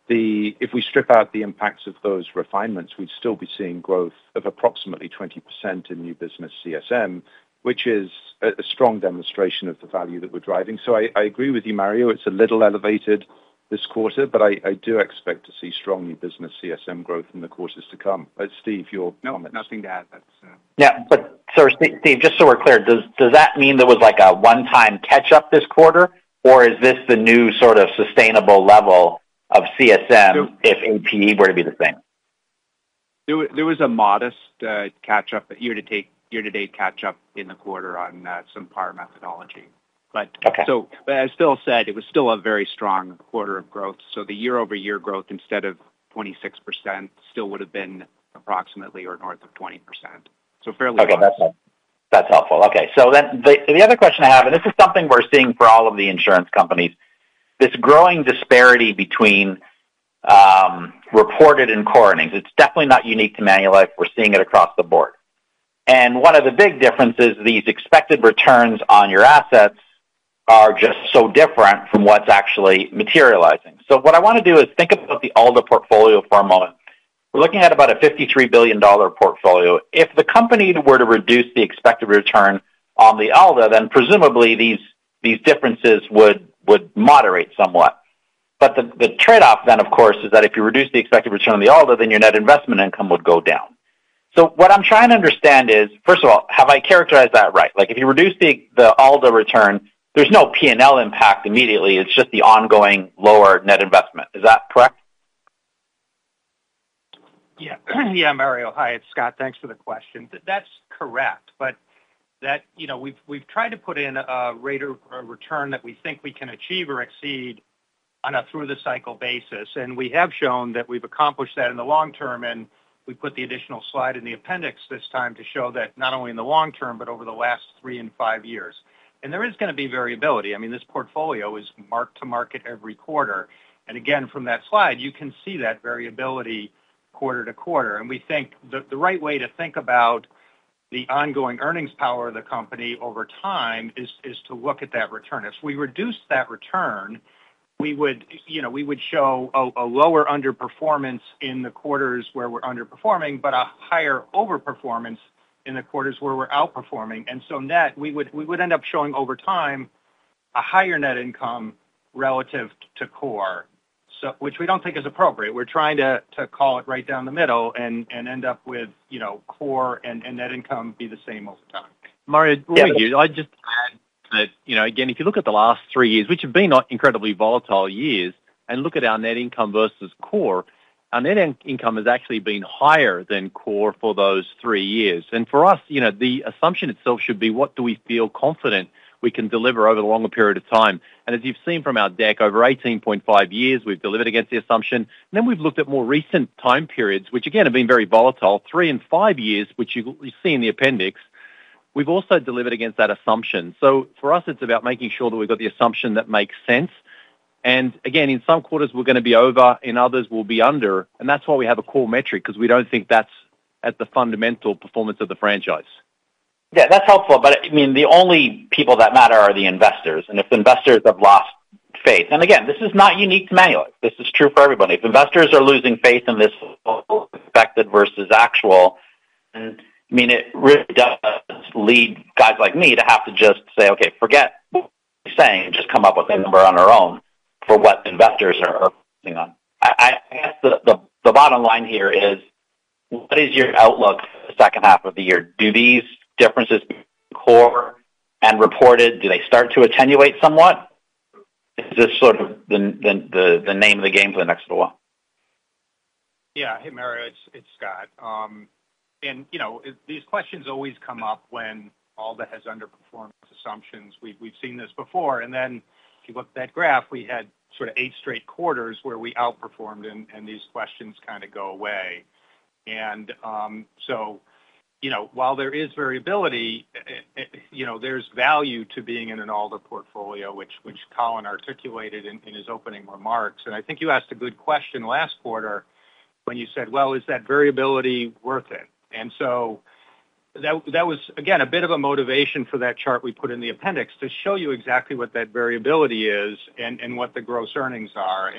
the-- if we strip out the impacts of those refinements, we'd still be seeing growth of approximately 20% in new business CSM, which is a, a strong demonstration of the value that we're driving. I, I agree with you, Mario. It's a little elevated this quarter, but I, I do expect to see strong new business CSM growth in the quarters to come. Steve, you're. No, nothing to add. That's, Yeah. Steve, just so we're clear, does, does that mean there was, like, a one-time catch-up this quarter, or is this the new sort of sustainable level of CSM if APE were to be the same? There, there was a modest, catch-up, year-to-date catch-up in the quarter on, some PAL methodology. Okay. As Phil said, it was still a very strong quarter of growth. The year-over-year growth, instead of 26%, still would have been approximately or north of 20%. Okay, then the other question I have, and this is something we're seeing for all of the insurance companies, this growing disparity between reported and Core earnings. It's definitely not unique to Manulife. We're seeing it across the board. One of the big differences, these expected returns on your assets are just so different from what's actually materializing. What I want to do is think about the ALDA portfolio for a moment. We're looking at about a $53 billion portfolio. If the company were to reduce the expected return on the ALDA, then presumably these differences would moderate somewhat. The trade-off then, of course, is that if you reduce the expected return on the ALDA, then your net investment income would go down. What I'm trying to understand is, first of all, have I characterized that right? Like, if you reduce the, the ALDA return, there's no P&L impact immediately, it's just the ongoing lower net investment. Is that correct? Yeah. Yeah, Mario. Hi, it's Scott. Thanks for the question. That's correct. You know, we've, we've tried to put in a rate of return that we think we can achieve or exceed on a through-the-cycle basis, and we have shown that we've accomplished that in the long term, and we put the additional slide in the appendix this time to show that not only in the long term, but over the last three and five years. There is gonna be variability. I mean, this portfolio is marked to market every quarter. Again, from that slide, you can see that variability quarter to quarter. We think the, the right way to think about the ongoing earnings power of the company over time is, is to look at that return. If we reduce that return, we would, you know, we would show a, a lower underperformance in the quarters where we're underperforming, but a higher overperformance in the quarters where we're outperforming. So net, we would, we would end up showing, over time, a higher net income relative to core, which we don't think is appropriate. We're trying to, to call it right down the middle and, and end up with, you know, core and, and net income be the same over time. Mario, let me just add that, you know, again, if you look at the last three years, which have been incredibly volatile years, and look at our net income versus core, our net in-income has actually been higher than core for those three years. For us, you know, the assumption itself should be, what do we feel confident we can deliver over a longer period of time? As you've seen from our deck, over 18.5 years, we've delivered against the assumption. We've looked at more recent time periods, which, again, have been very volatile, three and five years, which you see in the appendix. We've also delivered against that assumption. For us, it's about making sure that we've got the assumption that makes sense. Again, in some quarters, we're gonna be over, in others, we'll be under. That's why we have a core metric, because we don't think that's at the fundamental performance of the franchise. Yeah, that's helpful. I mean, the only people that matter are the investors, and if the investors have lost faith... Again, this is not unique to Manulife. This is true for everybody. If investors are losing faith in this expected versus actual, I mean, it really does lead guys like me to have to just say, "Okay, forget what you're saying, just come up with a number on our own for what investors are focusing on." I guess the bottom line here is: What is your outlook for the second half of the year? Do these differences between core and reported, do they start to attenuate somewhat? Is this sort of the name of the game for the next little while? Yeah. Hey, Mario, it's, it's Scott. You know, these questions always come up when ALDA has underperformed its assumptions. We've, we've seen this before, then if you look at that graph, we had sort of 8 straight quarters where we outperformed, and these questions kind of go away. You know, while there is variability, you know, there's value to being in an ALDA portfolio, which, which Colin articulated in, in his opening remarks. I think you asked a good question last quarter when you said, "Well, is that variability worth it?" So that, that was, again, a bit of a motivation for that chart we put in the appendix, to show you exactly what that variability is and what the gross earnings are.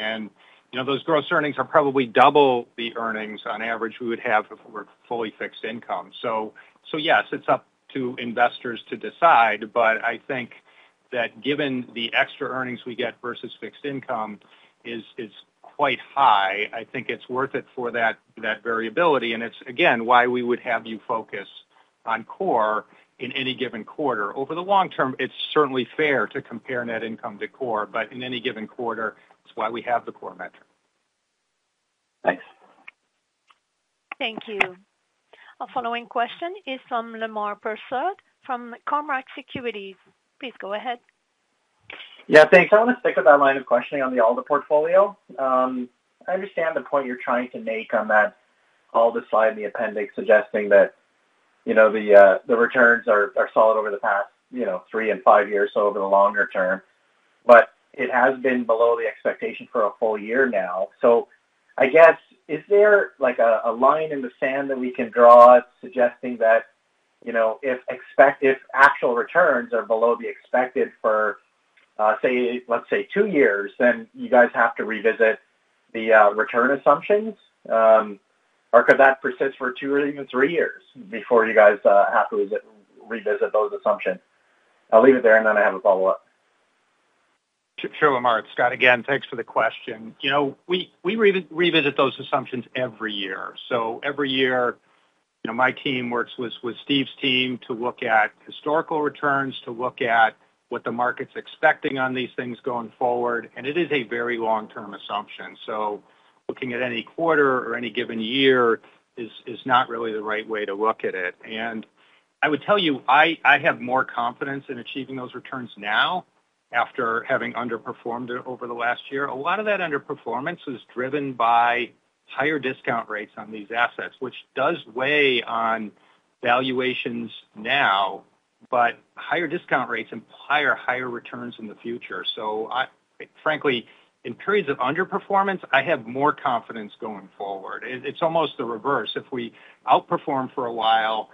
You know, those gross earnings are probably double the earnings on average we would have if we were fully fixed income. Yes, it's up to investors to decide, but I think that given the extra earnings we get versus fixed income is, is quite high. I think it's worth it for that, that variability, and it's, again, why we would have you focus on core in any given quarter. Over the long term, it's certainly fair to compare net income to core, but in any given quarter, it's why we have the core metric. Thanks. Thank you. Our following question is from Lemar Persaud, from Cormark Securities. Please go ahead. Yeah, thanks. I want to stick with that line of questioning on the ALDA portfolio. I understand the point you're trying to make on that Alder slide in the appendix, suggesting that, you know, the returns are solid over the past, you know, three years and five years, so over the longer term. It has been below the expectation for a full year now. I guess, is there, like, a line in the sand that we can draw suggesting that, you know, if expect-- if actual returns are below the expected for, say, let's say two years, then you guys have to revisit the return assumptions? Or could that persist for two years or even three years before you guys have to re-revisit those assumptions? I'll leave it there, and then I have a follow-up. Sure, Lemar. It's Scott again, thanks for the question. You know, we revisit those assumptions every year. Every year, you know, my team works with, with Steve's team to look at historical returns, to look at what the market's expecting on these things going forward, and it is a very long-term assumption. Looking at any quarter or any given year is, is not really the right way to look at it. I would tell you, I, I have more confidence in achieving those returns now, after having underperformed over the last year. A lot of that underperformance was driven by higher discount rates on these assets, which does weigh on valuations now, but higher discount rates imply higher returns in the future. Frankly, in periods of underperformance, I have more confidence going forward. It's almost the reverse. If we outperform for a while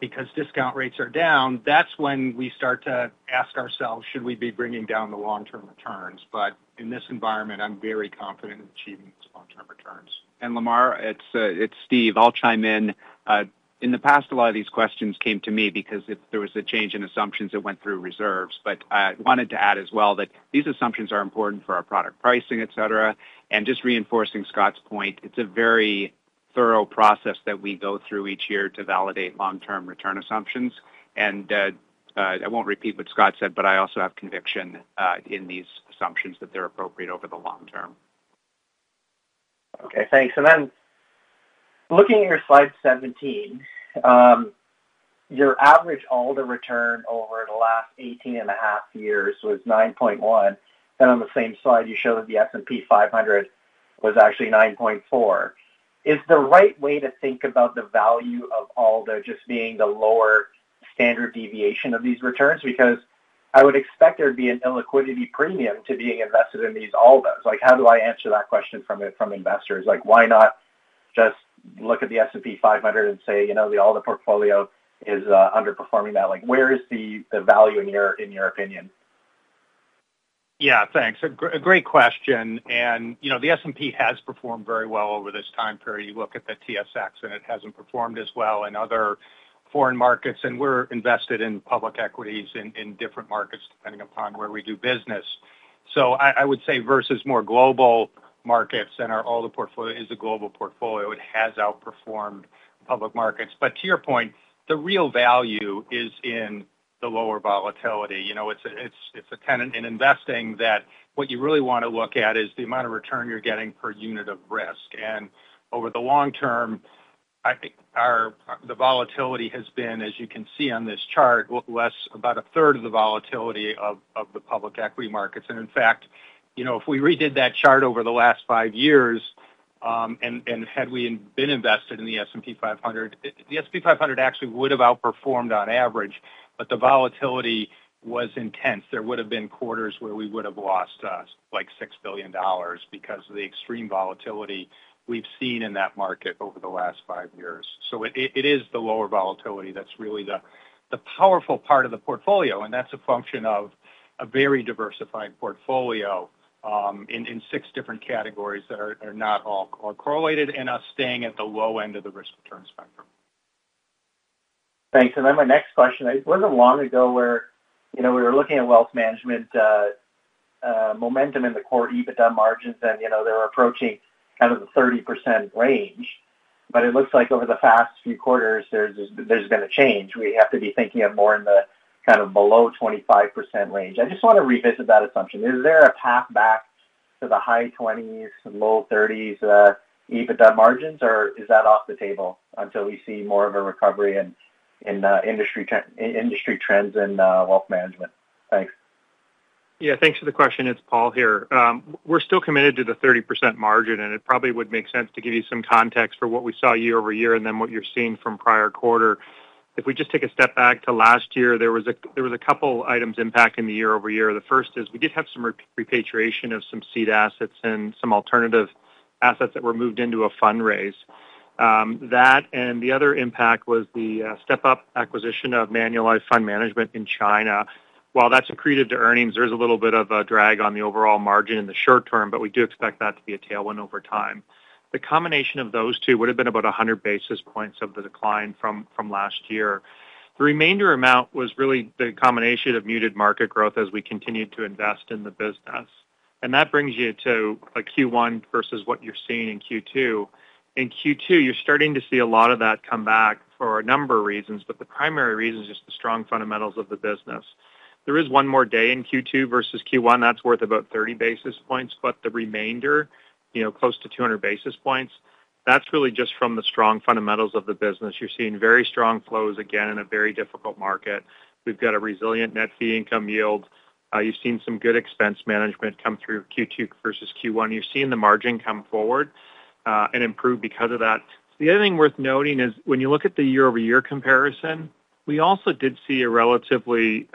because discount rates are down, that's when we start to ask ourselves, should we be bringing down the long-term returns? In this environment, I'm very confident in achieving these long-term returns. Lemar, it's, it's Steve. I'll chime in. In the past, a lot of these questions came to me because if there was a change in assumptions, it went through reserves. I wanted to add as well that these assumptions are important for our product pricing, et cetera. Just reinforcing Scott's point, it's a very thorough process that we go through each year to validate long-term return assumptions. I won't repeat what Scott said, but I also have conviction in these assumptions, that they're appropriate over the long term. Okay, thanks. Looking at your slide 17, your average Alder return over the last 18.5 years was 9.1, and on the same slide, you show that the S&P 500 was actually 9.4. Is the right way to think about the value of Alder just being the lower standard deviation of these returns? Because I would expect there'd be an illiquidity premium to being invested in these Alders. Like, how do I answer that question from, from investors? Like, why not just look at the S&P 500 and say, you know, the Alder portfolio is underperforming that? Like, where is the, the value in your, in your opinion? Yeah, thanks. A great question, and, you know, the S&P has performed very well over this time period. You look at the TSX, and it hasn't performed as well in other foreign markets. We're invested in public equities in different markets, depending upon where we do business. I, I would say versus more global markets. Our Alder portfolio is a global portfolio, it has outperformed public markets. To your point, the real value is in the lower volatility. You know, it's a, it's, it's a tenet in investing that what you really want to look at is the amount of return you're getting per unit of risk. Over the long term, I think our the volatility has been, as you can see on this chart, less about a third of the volatility of the public equity markets. In fact, you know, if we redid that chart over the last five years, and had we been invested in the S&P 500, the S&P 500 actually would have outperformed on average, but the volatility was intense. There would've been quarters where we would've lost, like, $6 billion because of the extreme volatility we've seen in that market over the last five years. It, it is the lower volatility that's really the, the powerful part of the portfolio, and that's a function of a very diversified portfolio, in six different categories that are not all correlated, and us staying at the low end of the risk-return spectrum. Thanks. My next question, it wasn't long ago where, you know, we were looking at wealth management momentum in the Core EBITDA margins, and, you know, they were approaching kind of the 30% range. It looks like over the past few quarters, there's, there's been a change. We have to be thinking of more in the kind of below 25% range. I just want to revisit that assumption. Is there a path back to the high twenties and low thirties EBITDA margins, or is that off the table until we see more of a recovery in, in industry trends and wealth management? Thanks. Yeah, thanks for the question. It's Paul here. We're still committed to the 30% margin, and it probably would make sense to give you some context for what we saw year-over-year and then what you're seeing from prior quarter. If we just take a step back to last year, there was a, there was a couple items impacting the year-over-year. The first is we did have some re- repatriation of some seed assets and some alternative assets that were moved into a fundraise. That and the other impact was the step-up acquisition of Manulife Fund Management in China. While that's accreted to earnings, there is a little bit of a drag on the overall margin in the short term, but we do expect that to be a tailwind over time. The combination of those two would've been about 100 basis points of the decline from last year. The remainder amount was really the combination of muted market growth as we continued to invest in the business. That brings you to a Q1 versus what you're seeing in Q2. In Q2, you're starting to see a lot of that come back for a number of reasons. The primary reason is just the strong fundamentals of the business. There is one more day in Q2 versus Q1. That's worth about 30 basis points. The remainder, you know, close to 200 basis points. That's really just from the strong fundamentals of the business. You're seeing very strong flows, again, in a very difficult market. We've got a resilient net fee income yield. You've seen some good expense management come through Q2 versus Q1. You've seen the margin come forward, and improve because of that. The other thing worth noting is when you look at the year-over-year comparison, we also did see a relatively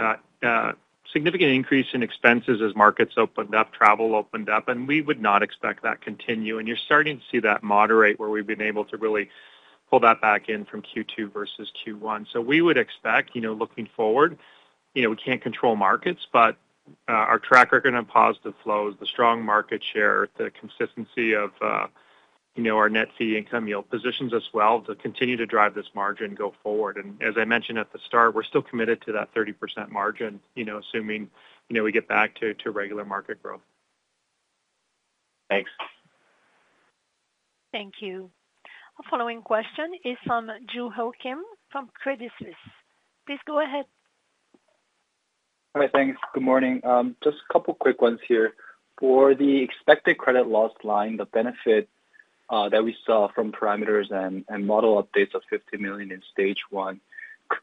significant increase in expenses as markets opened up, travel opened up, and we would not expect that continue. You're starting to see that moderate, where we've been able to really pull that back in from Q2 versus Q1. We would expect, you know, looking forward, you know, we can't control markets, but, our track record and positive flows, the strong market share, the consistency of, you know, our net fee income yield, positions us well to continue to drive this margin go forward. As I mentioned at the start, we're still committed to that 30% margin, you know, assuming, you know, we get back to, to regular market growth. Thanks. Thank you. Our following question is from Joo Ho Kim from Credit Suisse. Please go ahead. Hi, thanks. Good morning. Just a couple quick ones here. For the expected credit loss line, the benefit that we saw from parameters and model updates of 50 million in Stage 1,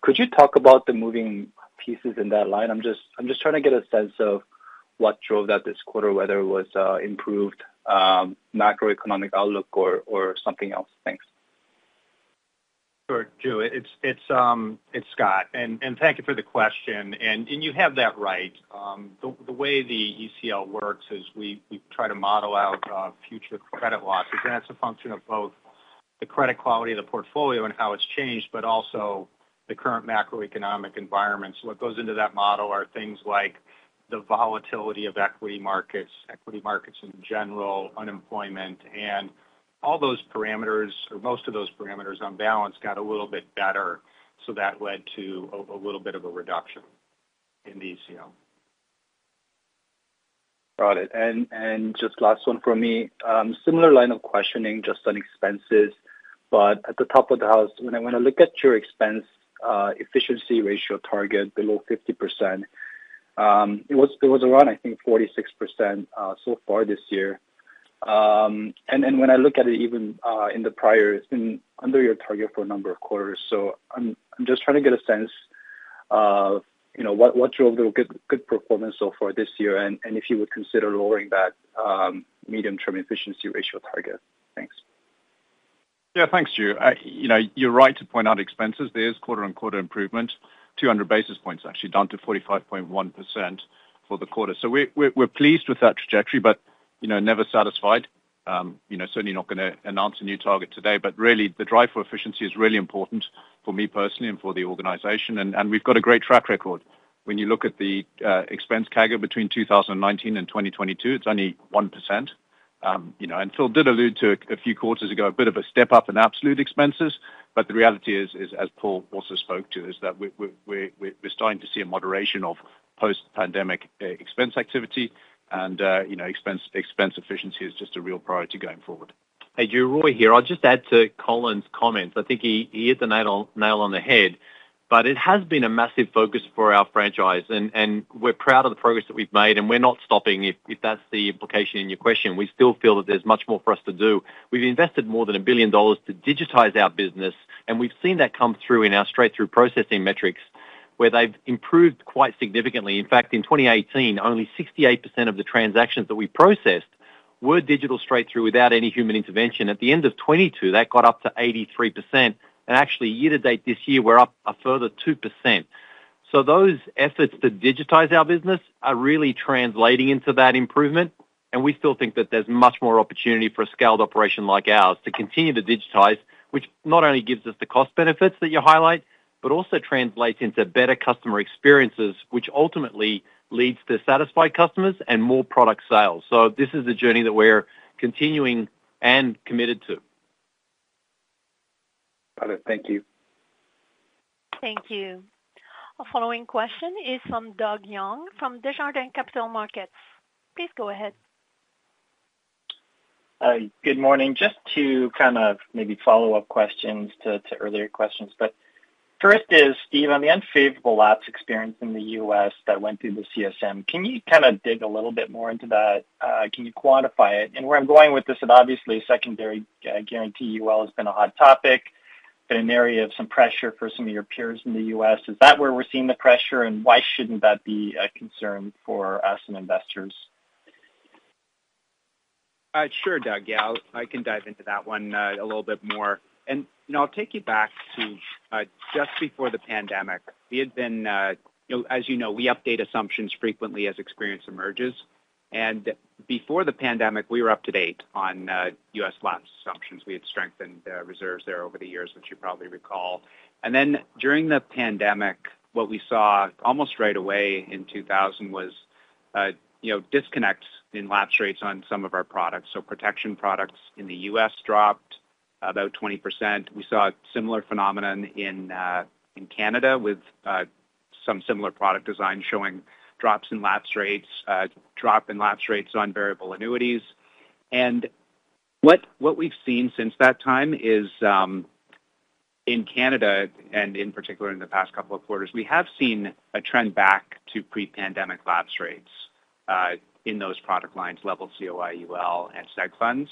could you talk about the moving pieces in that line? I'm just trying to get a sense of what drove that this quarter, whether it was improved macroeconomic outlook or something else. Thanks. Sure, Joo. It's, it's, it's Scott, and thank you for the question. You have that right. The way the ECL works is we, we try to model out future credit losses, and that's a function of both the credit quality of the portfolio and how it's changed, but also the current macroeconomic environment. What goes into that model are things like the volatility of equity markets, equity markets in general, unemployment. All those parameters, or most of those parameters, on balance, got a little bit better, so that led to a little bit of a reduction in the ECL. Got it. Just last one from me. Similar line of questioning, just on expenses. At the top of the house, when I, when I look at your expense efficiency ratio target below 50%, it was-- it was around, I think, 46% so far this year. When I look at it, even in the prior, it's been under your target for a number of quarters. I'm, I'm just trying to get a sense of, you know, what, what's your good, good performance so far this year, and, and if you would consider lowering that medium-term efficiency ratio target. Thanks. Yeah, thanks, Joo. you know, you're right to point out expenses. There is quarter-on-quarter improvement, 200 basis points, actually, down to 45.1% for the quarter. So we're, we're, we're pleased with that trajectory, but, you know, never satisfied. you know, certainly not gonna announce a new target today, but really, the drive for efficiency is really important for me personally and for the organization, and, and we've got a great track record. When you look at the, expense CAGR between 2019 and 2022, it's only 1%. you know, and Phil did allude to it a few quarters ago, a bit of a step up in absolute expenses. The reality is, as Paul also spoke to, is that we're starting to see a moderation of post-pandemic expense activity, and, you know, expense efficiency is just a real priority going forward. Hey, Joo, Roy here. I'll just add to Colin's comments. I think he hit the nail on the head. It has been a massive focus for our franchise, and we're proud of the progress that we've made, and we're not stopping, if that's the implication in your question. We still feel that there's much more for us to do. We've invested more than $1 billion to digitize our business, and we've seen that come through in our straight-through processing metrics, where they've improved quite significantly. In fact, in 2018, only 68% of the transactions that we processed were digital straight through without any human intervention. At the end of 2022, that got up to 83%, and actually, year to date this year, we're up a further 2%. Those efforts to digitize our business are really translating into that improvement, and we still think that there's much more opportunity for a scaled operation like ours to continue to digitize, which not only gives us the cost benefits that you highlight, but also translates into better customer experiences, which ultimately leads to satisfied customers and more product sales. This is a journey that we're continuing and committed to. Got it. Thank you. Thank you. Our following question is from Doug Young, from Desjardins Capital Markets. Please go ahead. Hi, good morning. Just two kind of maybe follow-up questions to, to earlier questions. First is, Steve, on the unfavorable lapse experience in the U.S. that went through the CSM, can you kind of dig a little bit more into that? Can you quantify it? Where I'm going with this, and obviously a secondary guarantee, UL has been a hot topic and an area of some pressure for some of your peers in the U.S.. Is that where we're seeing the pressure, and why shouldn't that be a concern for us and investors? Sure, Doug. Yeah, I'll-- I can dive into that one a little bit more. You know, I'll take you back to just before the pandemic. We had been. You know, as you know, we update assumptions frequently as experience emerges, and before the pandemic, we were up to date on U.S. lapse assumptions. We had strengthened reserves there over the years, which you probably recall. During the pandemic, what we saw almost right away in 2000 was, you know, disconnects in lapse rates on some of our products. Protection products in the U.S. dropped about 20%. We saw a similar phenomenon in Canada, with some similar product design showing drops in lapse rates, drop in lapse rates on variable annuities. What, what we've seen since that time is.... In Canada, and in particular, in the past couple of quarters, we have seen a trend back to pre-pandemic lapse rates in those product lines, level COI, UL, and seg funds.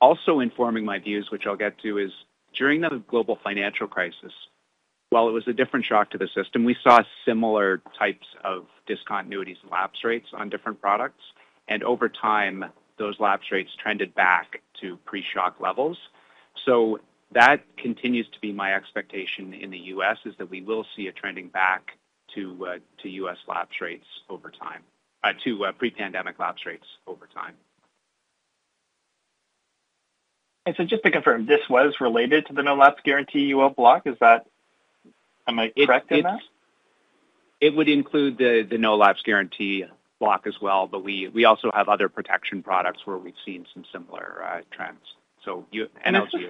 Also informing my views, which I'll get to, is during the global financial crisis, while it was a different shock to the system, we saw similar types of discontinuities and lapse rates on different products, and over time, those lapse rates trended back to pre-shock levels. That continues to be my expectation in the U.S., is that we will see a trending back to U.S. lapse rates over time, to pre-pandemic lapse rates over time. Just to confirm, this was related to the no-lapse guarantee UL block. Am I correct in that? It would include the no-lapse guarantee block as well, but we also have other protection products where we've seen some similar trends. You- It's just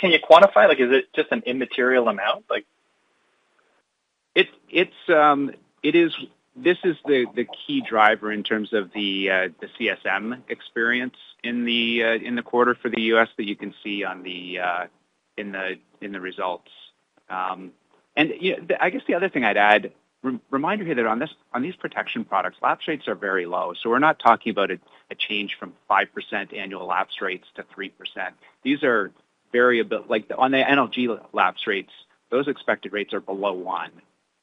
can you quantify, is it just an immaterial amount? It's, this is the, the key driver in terms of the, the CSM experience in the, in the quarter for the U.S. that you can see on the, in the, in the results. Yeah, the, I guess the other thing I'd add, re-reminder here that on this, on these protection products, lapse rates are very low. So we're not talking about a, a change from 5% annual lapse rates to 3%. These are variable... Like, on the NLG lapse rates, those expected rates are below 1,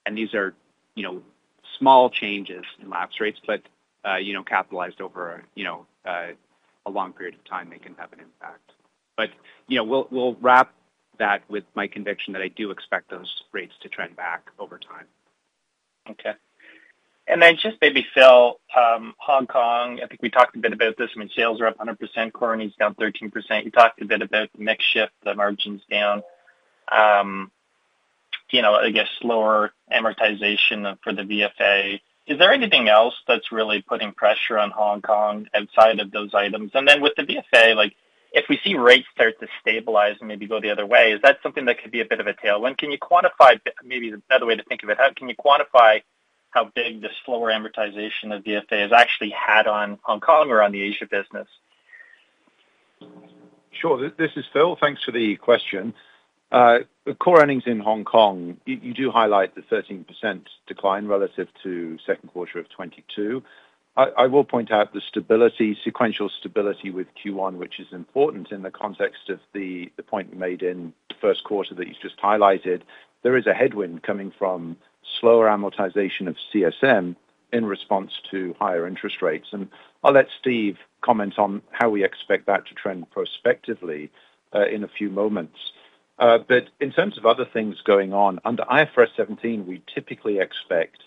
and these are, you know, small changes in lapse rates, but, you know, capitalized over, you know, a long period of time, they can have an impact. You know, we'll, we'll wrap that with my conviction that I do expect those rates to trend back over time. Okay. Just maybe, Phil, Hong Kong, I think we talked a bit about this, I mean, sales are up 100%, core earnings down 13%. You talked a bit about the mix shift, the margins down. You know, I guess slower amortization for the VFA. Is there anything else that's really putting pressure on Hong Kong outside of those items? Then with the VFA, like, if we see rates start to stabilize and maybe go the other way, is that something that could be a bit of a tailwind? Can you quantify, maybe a better way to think of it: How can you quantify how big the slower amortization of VFA has actually had on Hong Kong or on the Asia business? Sure. This, this is Phil. Thanks for the question. The core earnings in Hong Kong, you, you do highlight the 13% decline relative to second quarter of 2022. I, I will point out the stability, sequential stability with Q1, which is important in the context of the, the point you made in the first quarter that you just highlighted. There is a headwind coming from slower amortization of CSM in response to higher interest rates, and I'll let Steve comment on how we expect that to trend prospectively in a few moments. In terms of other things going on, under IFRS 17, we typically expect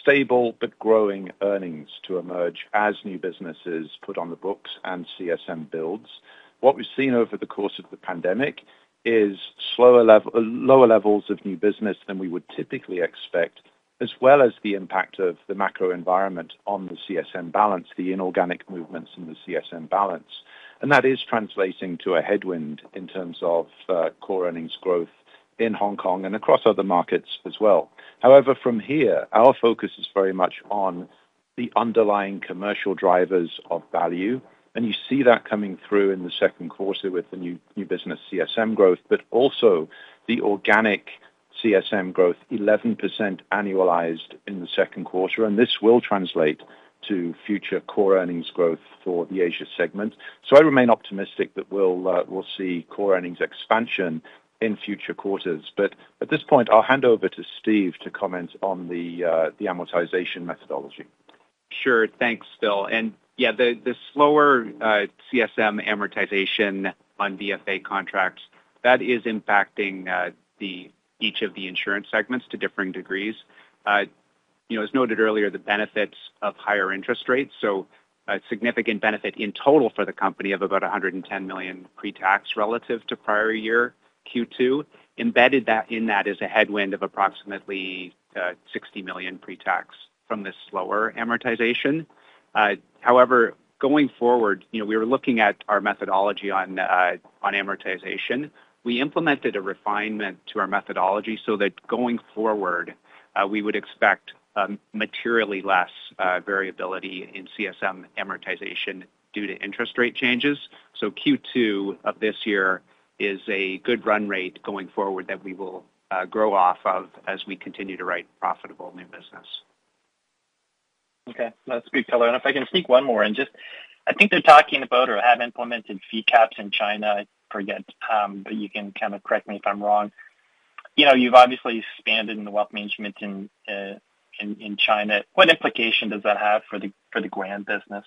stable but growing earnings to emerge as new business is put on the books and CSM builds. What we've seen over the course of the pandemic is lower levels of new business than we would typically expect, as well as the impact of the macro environment on the CSM balance, the inorganic movements in the CSM balance. That is translating to a headwind in terms of core earnings growth in Hong Kong and across other markets as well. From here, our focus is very much on the underlying commercial drivers of value, and you see that coming through in the second quarter with the new, new business CSM growth, but also the organic CSM growth, 11% annualized in the second quarter, and this will translate to future core earnings growth for the Asia segment. I remain optimistic that we'll see core earnings expansion in future quarters. At this point, I'll hand over to Steve to comment on the amortization methodology. Sure. Thanks, Phil. Yeah, the slower CSM amortization on VFA contracts, that is impacting each of the insurance segments to differing degrees. You know, as noted earlier, the benefits of higher interest rates, so a significant benefit in total for the company of about 110 million pre-tax relative to prior year Q2. Embedded that, in that is a headwind of approximately 60 million pre-tax from the slower amortization. However, going forward, you know, we were looking at our methodology on amortization. We implemented a refinement to our methodology so that going forward, we would expect materially less variability in CSM amortization due to interest rate changes. Q2 of this year is a good run rate going forward that we will grow off of as we continue to write profitable new business. Okay. That's good, Phil. If I can sneak one more in, just I think they're talking about or have implemented fee caps in China, I forget, but you can kind of correct me if I'm wrong. You know, you've obviously expanded in the wealth management in, in, in China. What implication does that have for the, for the WAM business?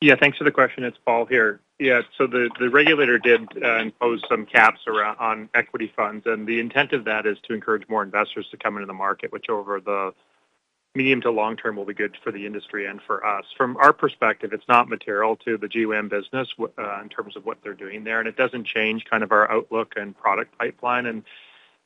Yeah, thanks for the question. It's Paul here. The regulator did impose some caps around on equity funds, the intent of that is to encourage more investors to come into the market, which over the medium to long term, will be good for the industry and for us. From our perspective, it's not material to the Guam business in terms of what they're doing there, it doesn't change kind of our outlook and product pipeline.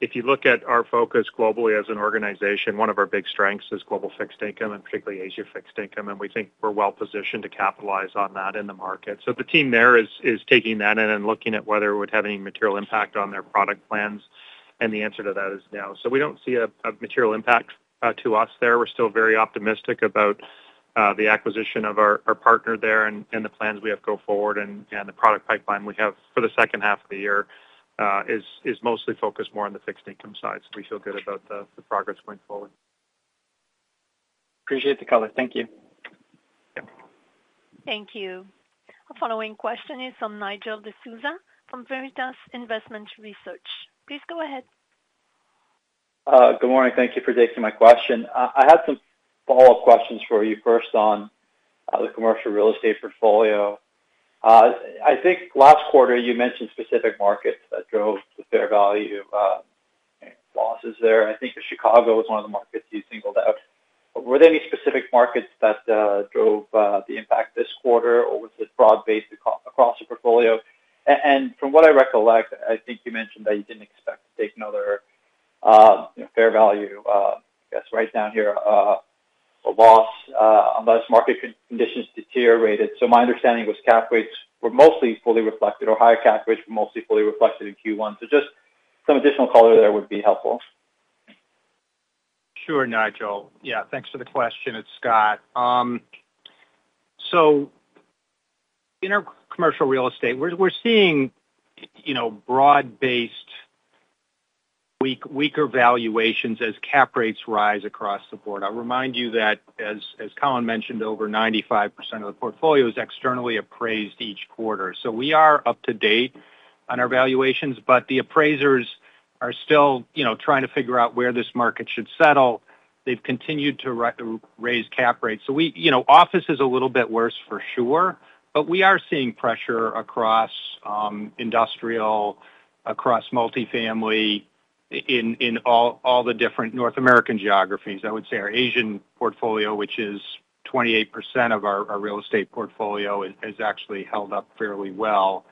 If you look at our focus globally as an organization, one of our big strengths is global fixed income, particularly Asia fixed income, and we think we're well positioned to capitalize on that in the market. The team there is, is taking that in and looking at whether it would have any material impact on their product plans, and the answer to that is no. We don't see a, a material impact to us there. We're still very optimistic about-.... the acquisition of our, our partner there and, and the plans we have go forward and, and the product pipeline we have for the second half of the year, is, is mostly focused more on the fixed income side. We feel good about the, the progress going forward. Appreciate the color. Thank you. Yep. Thank you. Our following question is from Nigel D'Souza from Veritas Investment Research. Please go ahead. Good morning. Thank you for taking my question. I had some follow-up questions for you. First, on the commercial real estate portfolio. I think last quarter, you mentioned specific markets that drove the fair value of losses there. I think Chicago was one of the markets you singled out. Were there any specific markets that drove the impact this quarter, or was it broad-based across the portfolio? From what I recollect, I think you mentioned that you didn't expect to take another fair value, I guess, write down here, a loss, unless market conditions deteriorated. My understanding was cap rates were mostly fully reflected or higher cap rates were mostly fully reflected in Q1. Just some additional color there would be helpful. Sure, Nigel. Yeah, thanks for the question. It's Scott. In our commercial real estate, we're, we're seeing, you know, broad-based weaker valuations as cap rates rise across the board. I'll remind you that as, as Colin mentioned, over 95% of the portfolio is externally appraised each quarter. We are up to date on our valuations, but the appraisers are still, you know, trying to figure out where this market should settle. They've continued to raise cap rates. You know, office is a little bit worse for sure, but we are seeing pressure across, industrial, across multifamily in all, all the different North American geographies. I would say our Asian portfolio, which is 28% of our, our real estate portfolio, has, has actually held up fairly well.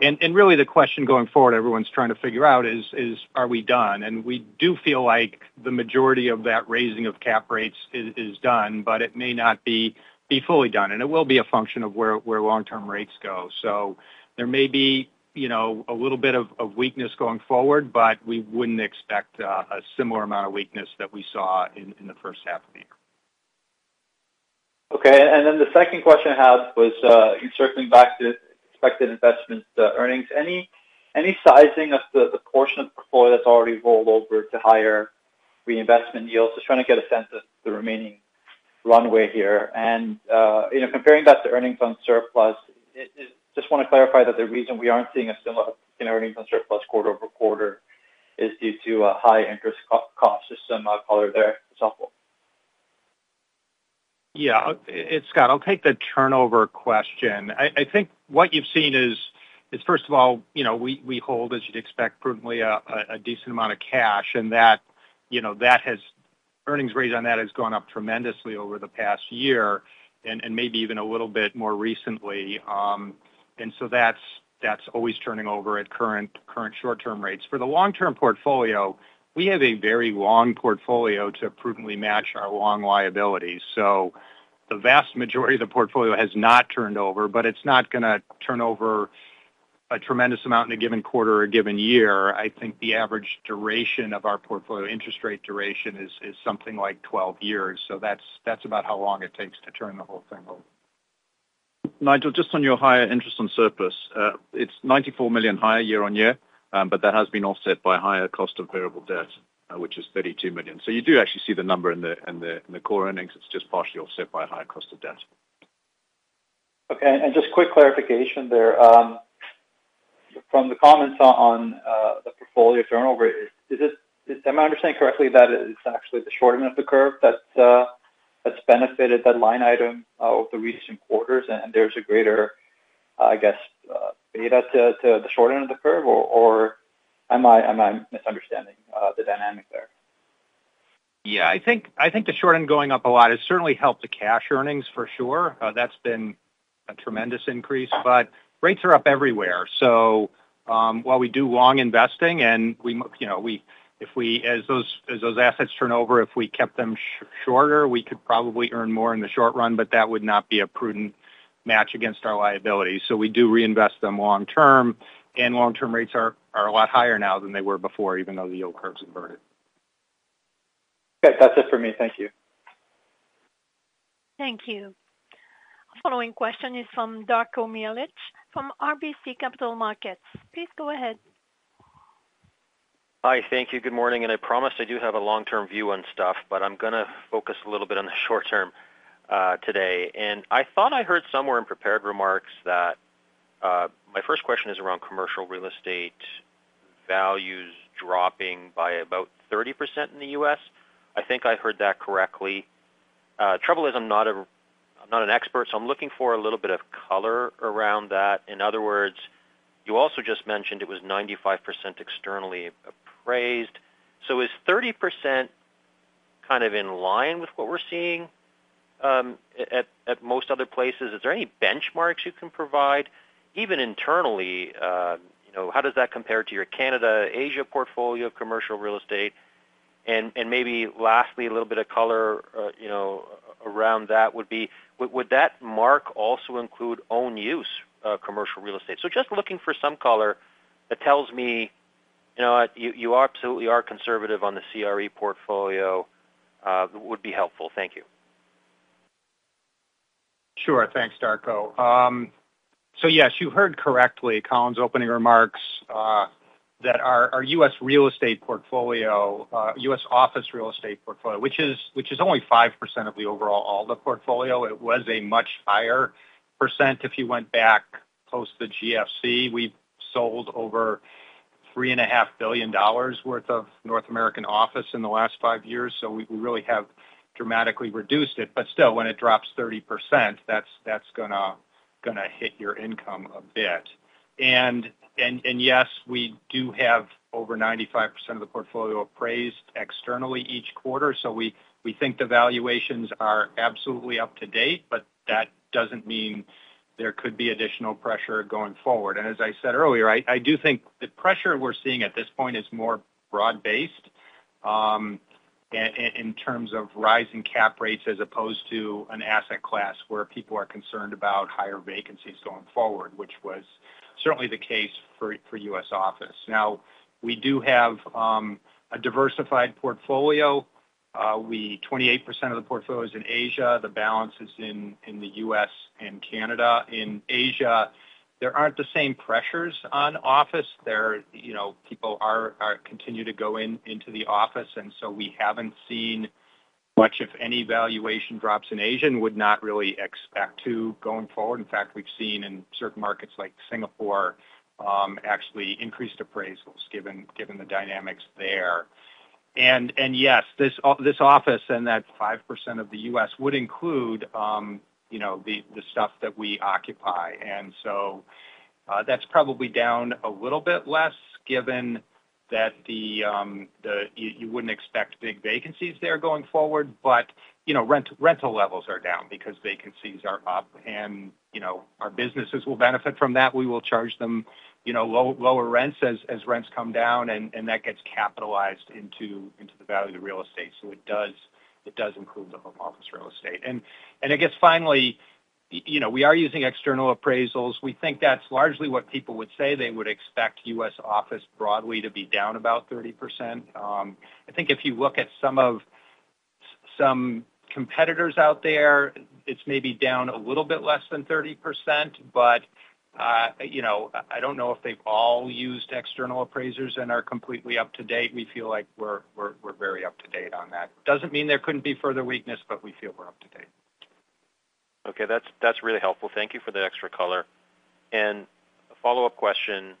Really, the question going forward everyone's trying to figure out is, are we done? We do feel like the majority of that raising of cap rates is done, but it may not be fully done, and it will be a function of where long-term rates go. There may be, you know, a little bit of weakness going forward, but we wouldn't expect a similar amount of weakness that we saw in the first half of the year. Okay. The second question I had was, circling back to expected investment, earnings. Any, any sizing of the portion of the portfolio that's already rolled over to higher reinvestment yields? Just trying to get a sense of the remaining runway here. You know, comparing that to earnings on surplus, just want to clarify that the reason we aren't seeing a similar earnings on surplus quarter-over-quarter is due to a high interest cost. Just some, color there is helpful. Yeah, it's Scott. I'll take the turnover question. I think what you've seen is first of all, you know, we hold, as you'd expect, prudently, a decent amount of cash, and that, you know, earnings rate on that has gone up tremendously over the past year and maybe even a little bit more recently. And so that's always turning over at current short-term rates. For the long-term portfolio, we have a very long portfolio to prudently match our long liabilities. So the vast majority of the portfolio has not turned over, but it's not going to turn over a tremendous amount in a given quarter or a given year. I think the average duration of our portfolio, interest rate duration, is something like 12 years. So that's about how long it takes to turn the whole thing over. Nigel, just on your higher interest on surplus, it's 94 million higher year-on-year, but that has been offset by higher cost of variable debt, which is 32 million. You do actually see the number in the core earnings. It's just partially offset by a higher cost of debt. Okay. And just quick clarification there, from the comments on the portfolio turnover, am I understanding correctly that it's actually the shortening of the curve that that's benefited that line item over the recent quarters, and there's a greater, I guess, beta to, to the short end of the curve? Or, or am I, am I misunderstanding the dynamic there? Yeah. I think, I think the short end going up a lot has certainly helped the cash earnings for sure. That's been a tremendous increase. Rates are up everywhere. While we do long investing and we, you know, as those, as those assets turn over, if we kept them shorter, we could probably earn more in the short run, but that would not be a prudent match against our liability. We do reinvest them long term, and long-term rates are, are a lot higher now than they were before, even though the yield curve's inverted. Okay, that's it for me. Thank you. Thank you. Our following question is from Darko Mihelic, from RBC Capital Markets. Please go ahead. Hi. Thank you. Good morning, and I promise I do have a long-term view on stuff, but I'm going to focus a little bit on the short term today. And I thought I heard somewhere in prepared remarks that... My first question is around commercial real estate values dropping by about 30% in the U.S.. I think I heard that correctly. Trouble is, I'm not a, I'm not an expert, so I'm looking for a little bit of color around that. In other words, you also just mentioned it was 95% externally appraised. So is 30% kind of in line with what we're seeing, at, at most other places? Is there any benchmarks you can provide, even internally? You know, how does that compare to your Canada, Asia portfolio of commercial real estate? Maybe lastly, a little bit of color, you know, around that would be: Would that mark also include own use commercial real estate? Just looking for some color that tells me... You know what? You, you absolutely are conservative on the CRE portfolio would be helpful. Thank you. Sure. Thanks, Darko. Yes, you heard correctly Colin's opening remarks, that our U.S. real estate portfolio, U.S. office real estate portfolio, which is only 5% of the overall portfolio. It was a much higher % if you went back post the GFC. We sold over $3.5 billion worth of North American office in the last 5 years, so we really have dramatically reduced it. Still, when it drops 30%, that's gonna hit your income a bit. Yes, we do have over 95% of the portfolio appraised externally each quarter, so we think the valuations are absolutely up to date, but that doesn't mean there could be additional pressure going forward. As I said earlier, I do think the pressure we're seeing at this point is more broad-based, in terms of rising cap rates as opposed to an asset class where people are concerned about higher vacancies going forward, which was certainly the case for U.S. office. We do have a diversified portfolio. 28% of the portfolio is in Asia, the balance is in the U.S. and Canada. In Asia, there aren't the same pressures on office. There, you know, people are continue to go into the office, and so we haven't seen much of any valuation drops in Asia and would not really expect to going forward. In fact, we've seen in certain markets like Singapore, actually increased appraisals, given the dynamics there. Yes, this office and that 5% of the U.S. would include, you know, the stuff that we occupy. So, that's probably down a little bit less given that you wouldn't expect big vacancies there going forward. You know, rental levels are down because vacancies are up and our businesses will benefit from that. We will charge them, you know, lower rents as rents come down, and that gets capitalized into the value of the real estate. It does include the whole office real estate. I guess finally, you know, we are using external appraisals. We think that's largely what people would say. They would expect U.S. office broadly to be down about 30%. I think if you look at some of, some competitors out there, it's maybe down a little bit less than 30%, but, you know, I don't know if they've all used external appraisers and are completely up to date. We feel like we're, we're, we're very up to date on that. Doesn't mean there couldn't be further weakness, but we feel we're up to date. Okay, that's, that's really helpful. Thank you for the extra color. A follow-up question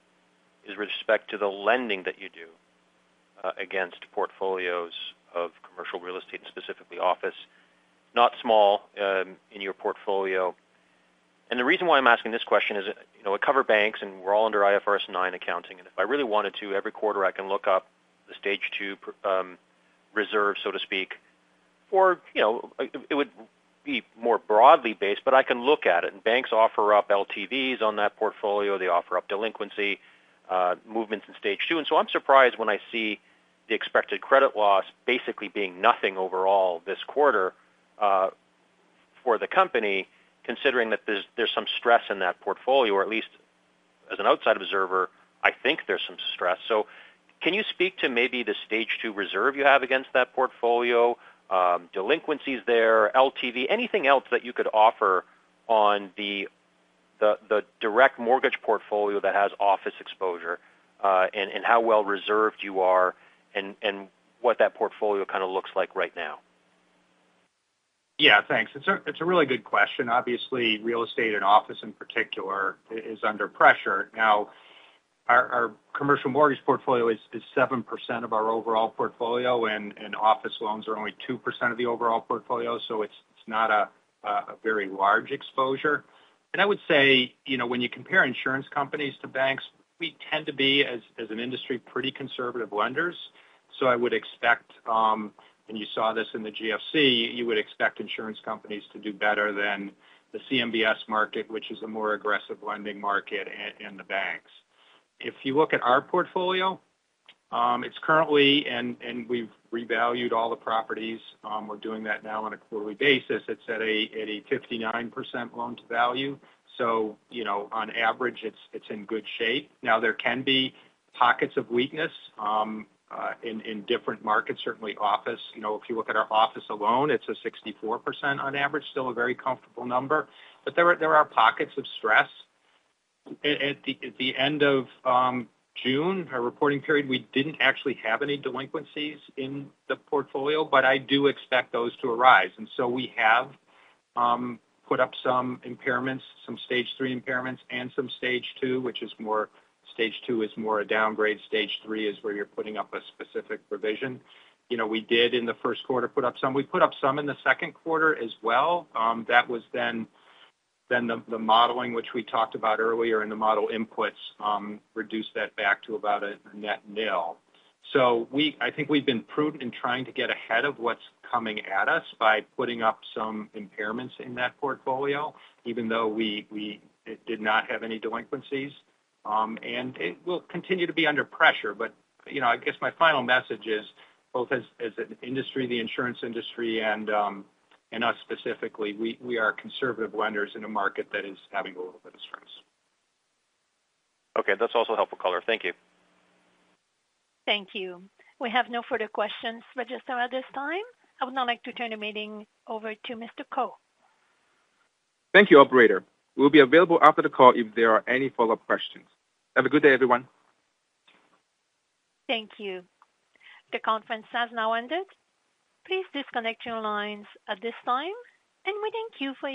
is with respect to the lending that you do against portfolios of commercial real estate, and specifically office, not small, in your portfolio. The reason why I'm asking this question is, you know, we cover banks, and we're all under IFRS 9 accounting, and if I really wanted to, every quarter, I can look up the stage two reserve, so to speak, or, you know, it, it would be more broadly based, but I can look at it. Banks offer up LTVs on that portfolio. They offer up delinquency movements in stage two. So I'm surprised when I see the expected credit loss basically being nothing overall this quarter, for the company, considering that there's, there's some stress in that portfolio, or at least as an outside observer, I think there's some stress. Can you speak to maybe the stage two reserve you have against that portfolio, delinquencies there, LTV, anything else that you could offer on the, the, the direct mortgage portfolio that has office exposure, and, and how well reserved you are and, and what that portfolio kind of looks like right now? Yeah, thanks. It's a really good question. Obviously, real estate and office in particular, is under pressure. Now, our commercial mortgage portfolio is 7% of our overall portfolio, and office loans are only 2% of the overall portfolio, so it's not a very large exposure. I would say, you know, when you compare insurance companies to banks, we tend to be, as an industry, pretty conservative lenders. I would expect, and you saw this in the GFC, you would expect insurance companies to do better than the CMBS market, which is a more aggressive lending market in the banks. If you look at our portfolio, it's currently... We've revalued all the properties, we're doing that now on a quarterly basis. It's at a, at a 59% loan to value, so, you know, on average, it's in good shape. There can be pockets of weakness in different markets, certainly office. You know, if you look at our office alone, it's a 64% on average. Still a very comfortable number, but there are pockets of stress. At, at the, at the end of June, our reporting period, we didn't actually have any delinquencies in the portfolio, but I do expect those to arise, and so we have put up some impairments, some stage 3 impairments and some stage 2, which is more. Stage 2 is more a downgrade. Stage 3 is where you're putting up a specific provision. You know, we did, in the 1st quarter, put up some. We put up some in the 2nd quarter as well. That was then, then the, the modeling, which we talked about earlier in the model inputs, reduced that back to about a, a net nil. I think we've been prudent in trying to get ahead of what's coming at us by putting up some impairments in that portfolio, even though we, we, it did not have any delinquencies. And it will continue to be under pressure. You know, I guess my final message is, both as, as an industry, the insurance industry and, and us specifically, we, we are conservative lenders in a market that is having a little bit of stress. Okay. That's also helpful color. Thank you. Thank you. We have no further questions registered at this time. I would now like to turn the meeting over to Mr. Ko. Thank you, operator. We'll be available after the call if there are any follow-up questions. Have a good day, everyone. Thank you. The conference has now ended. Please disconnect your lines at this time, and we thank you for your participation.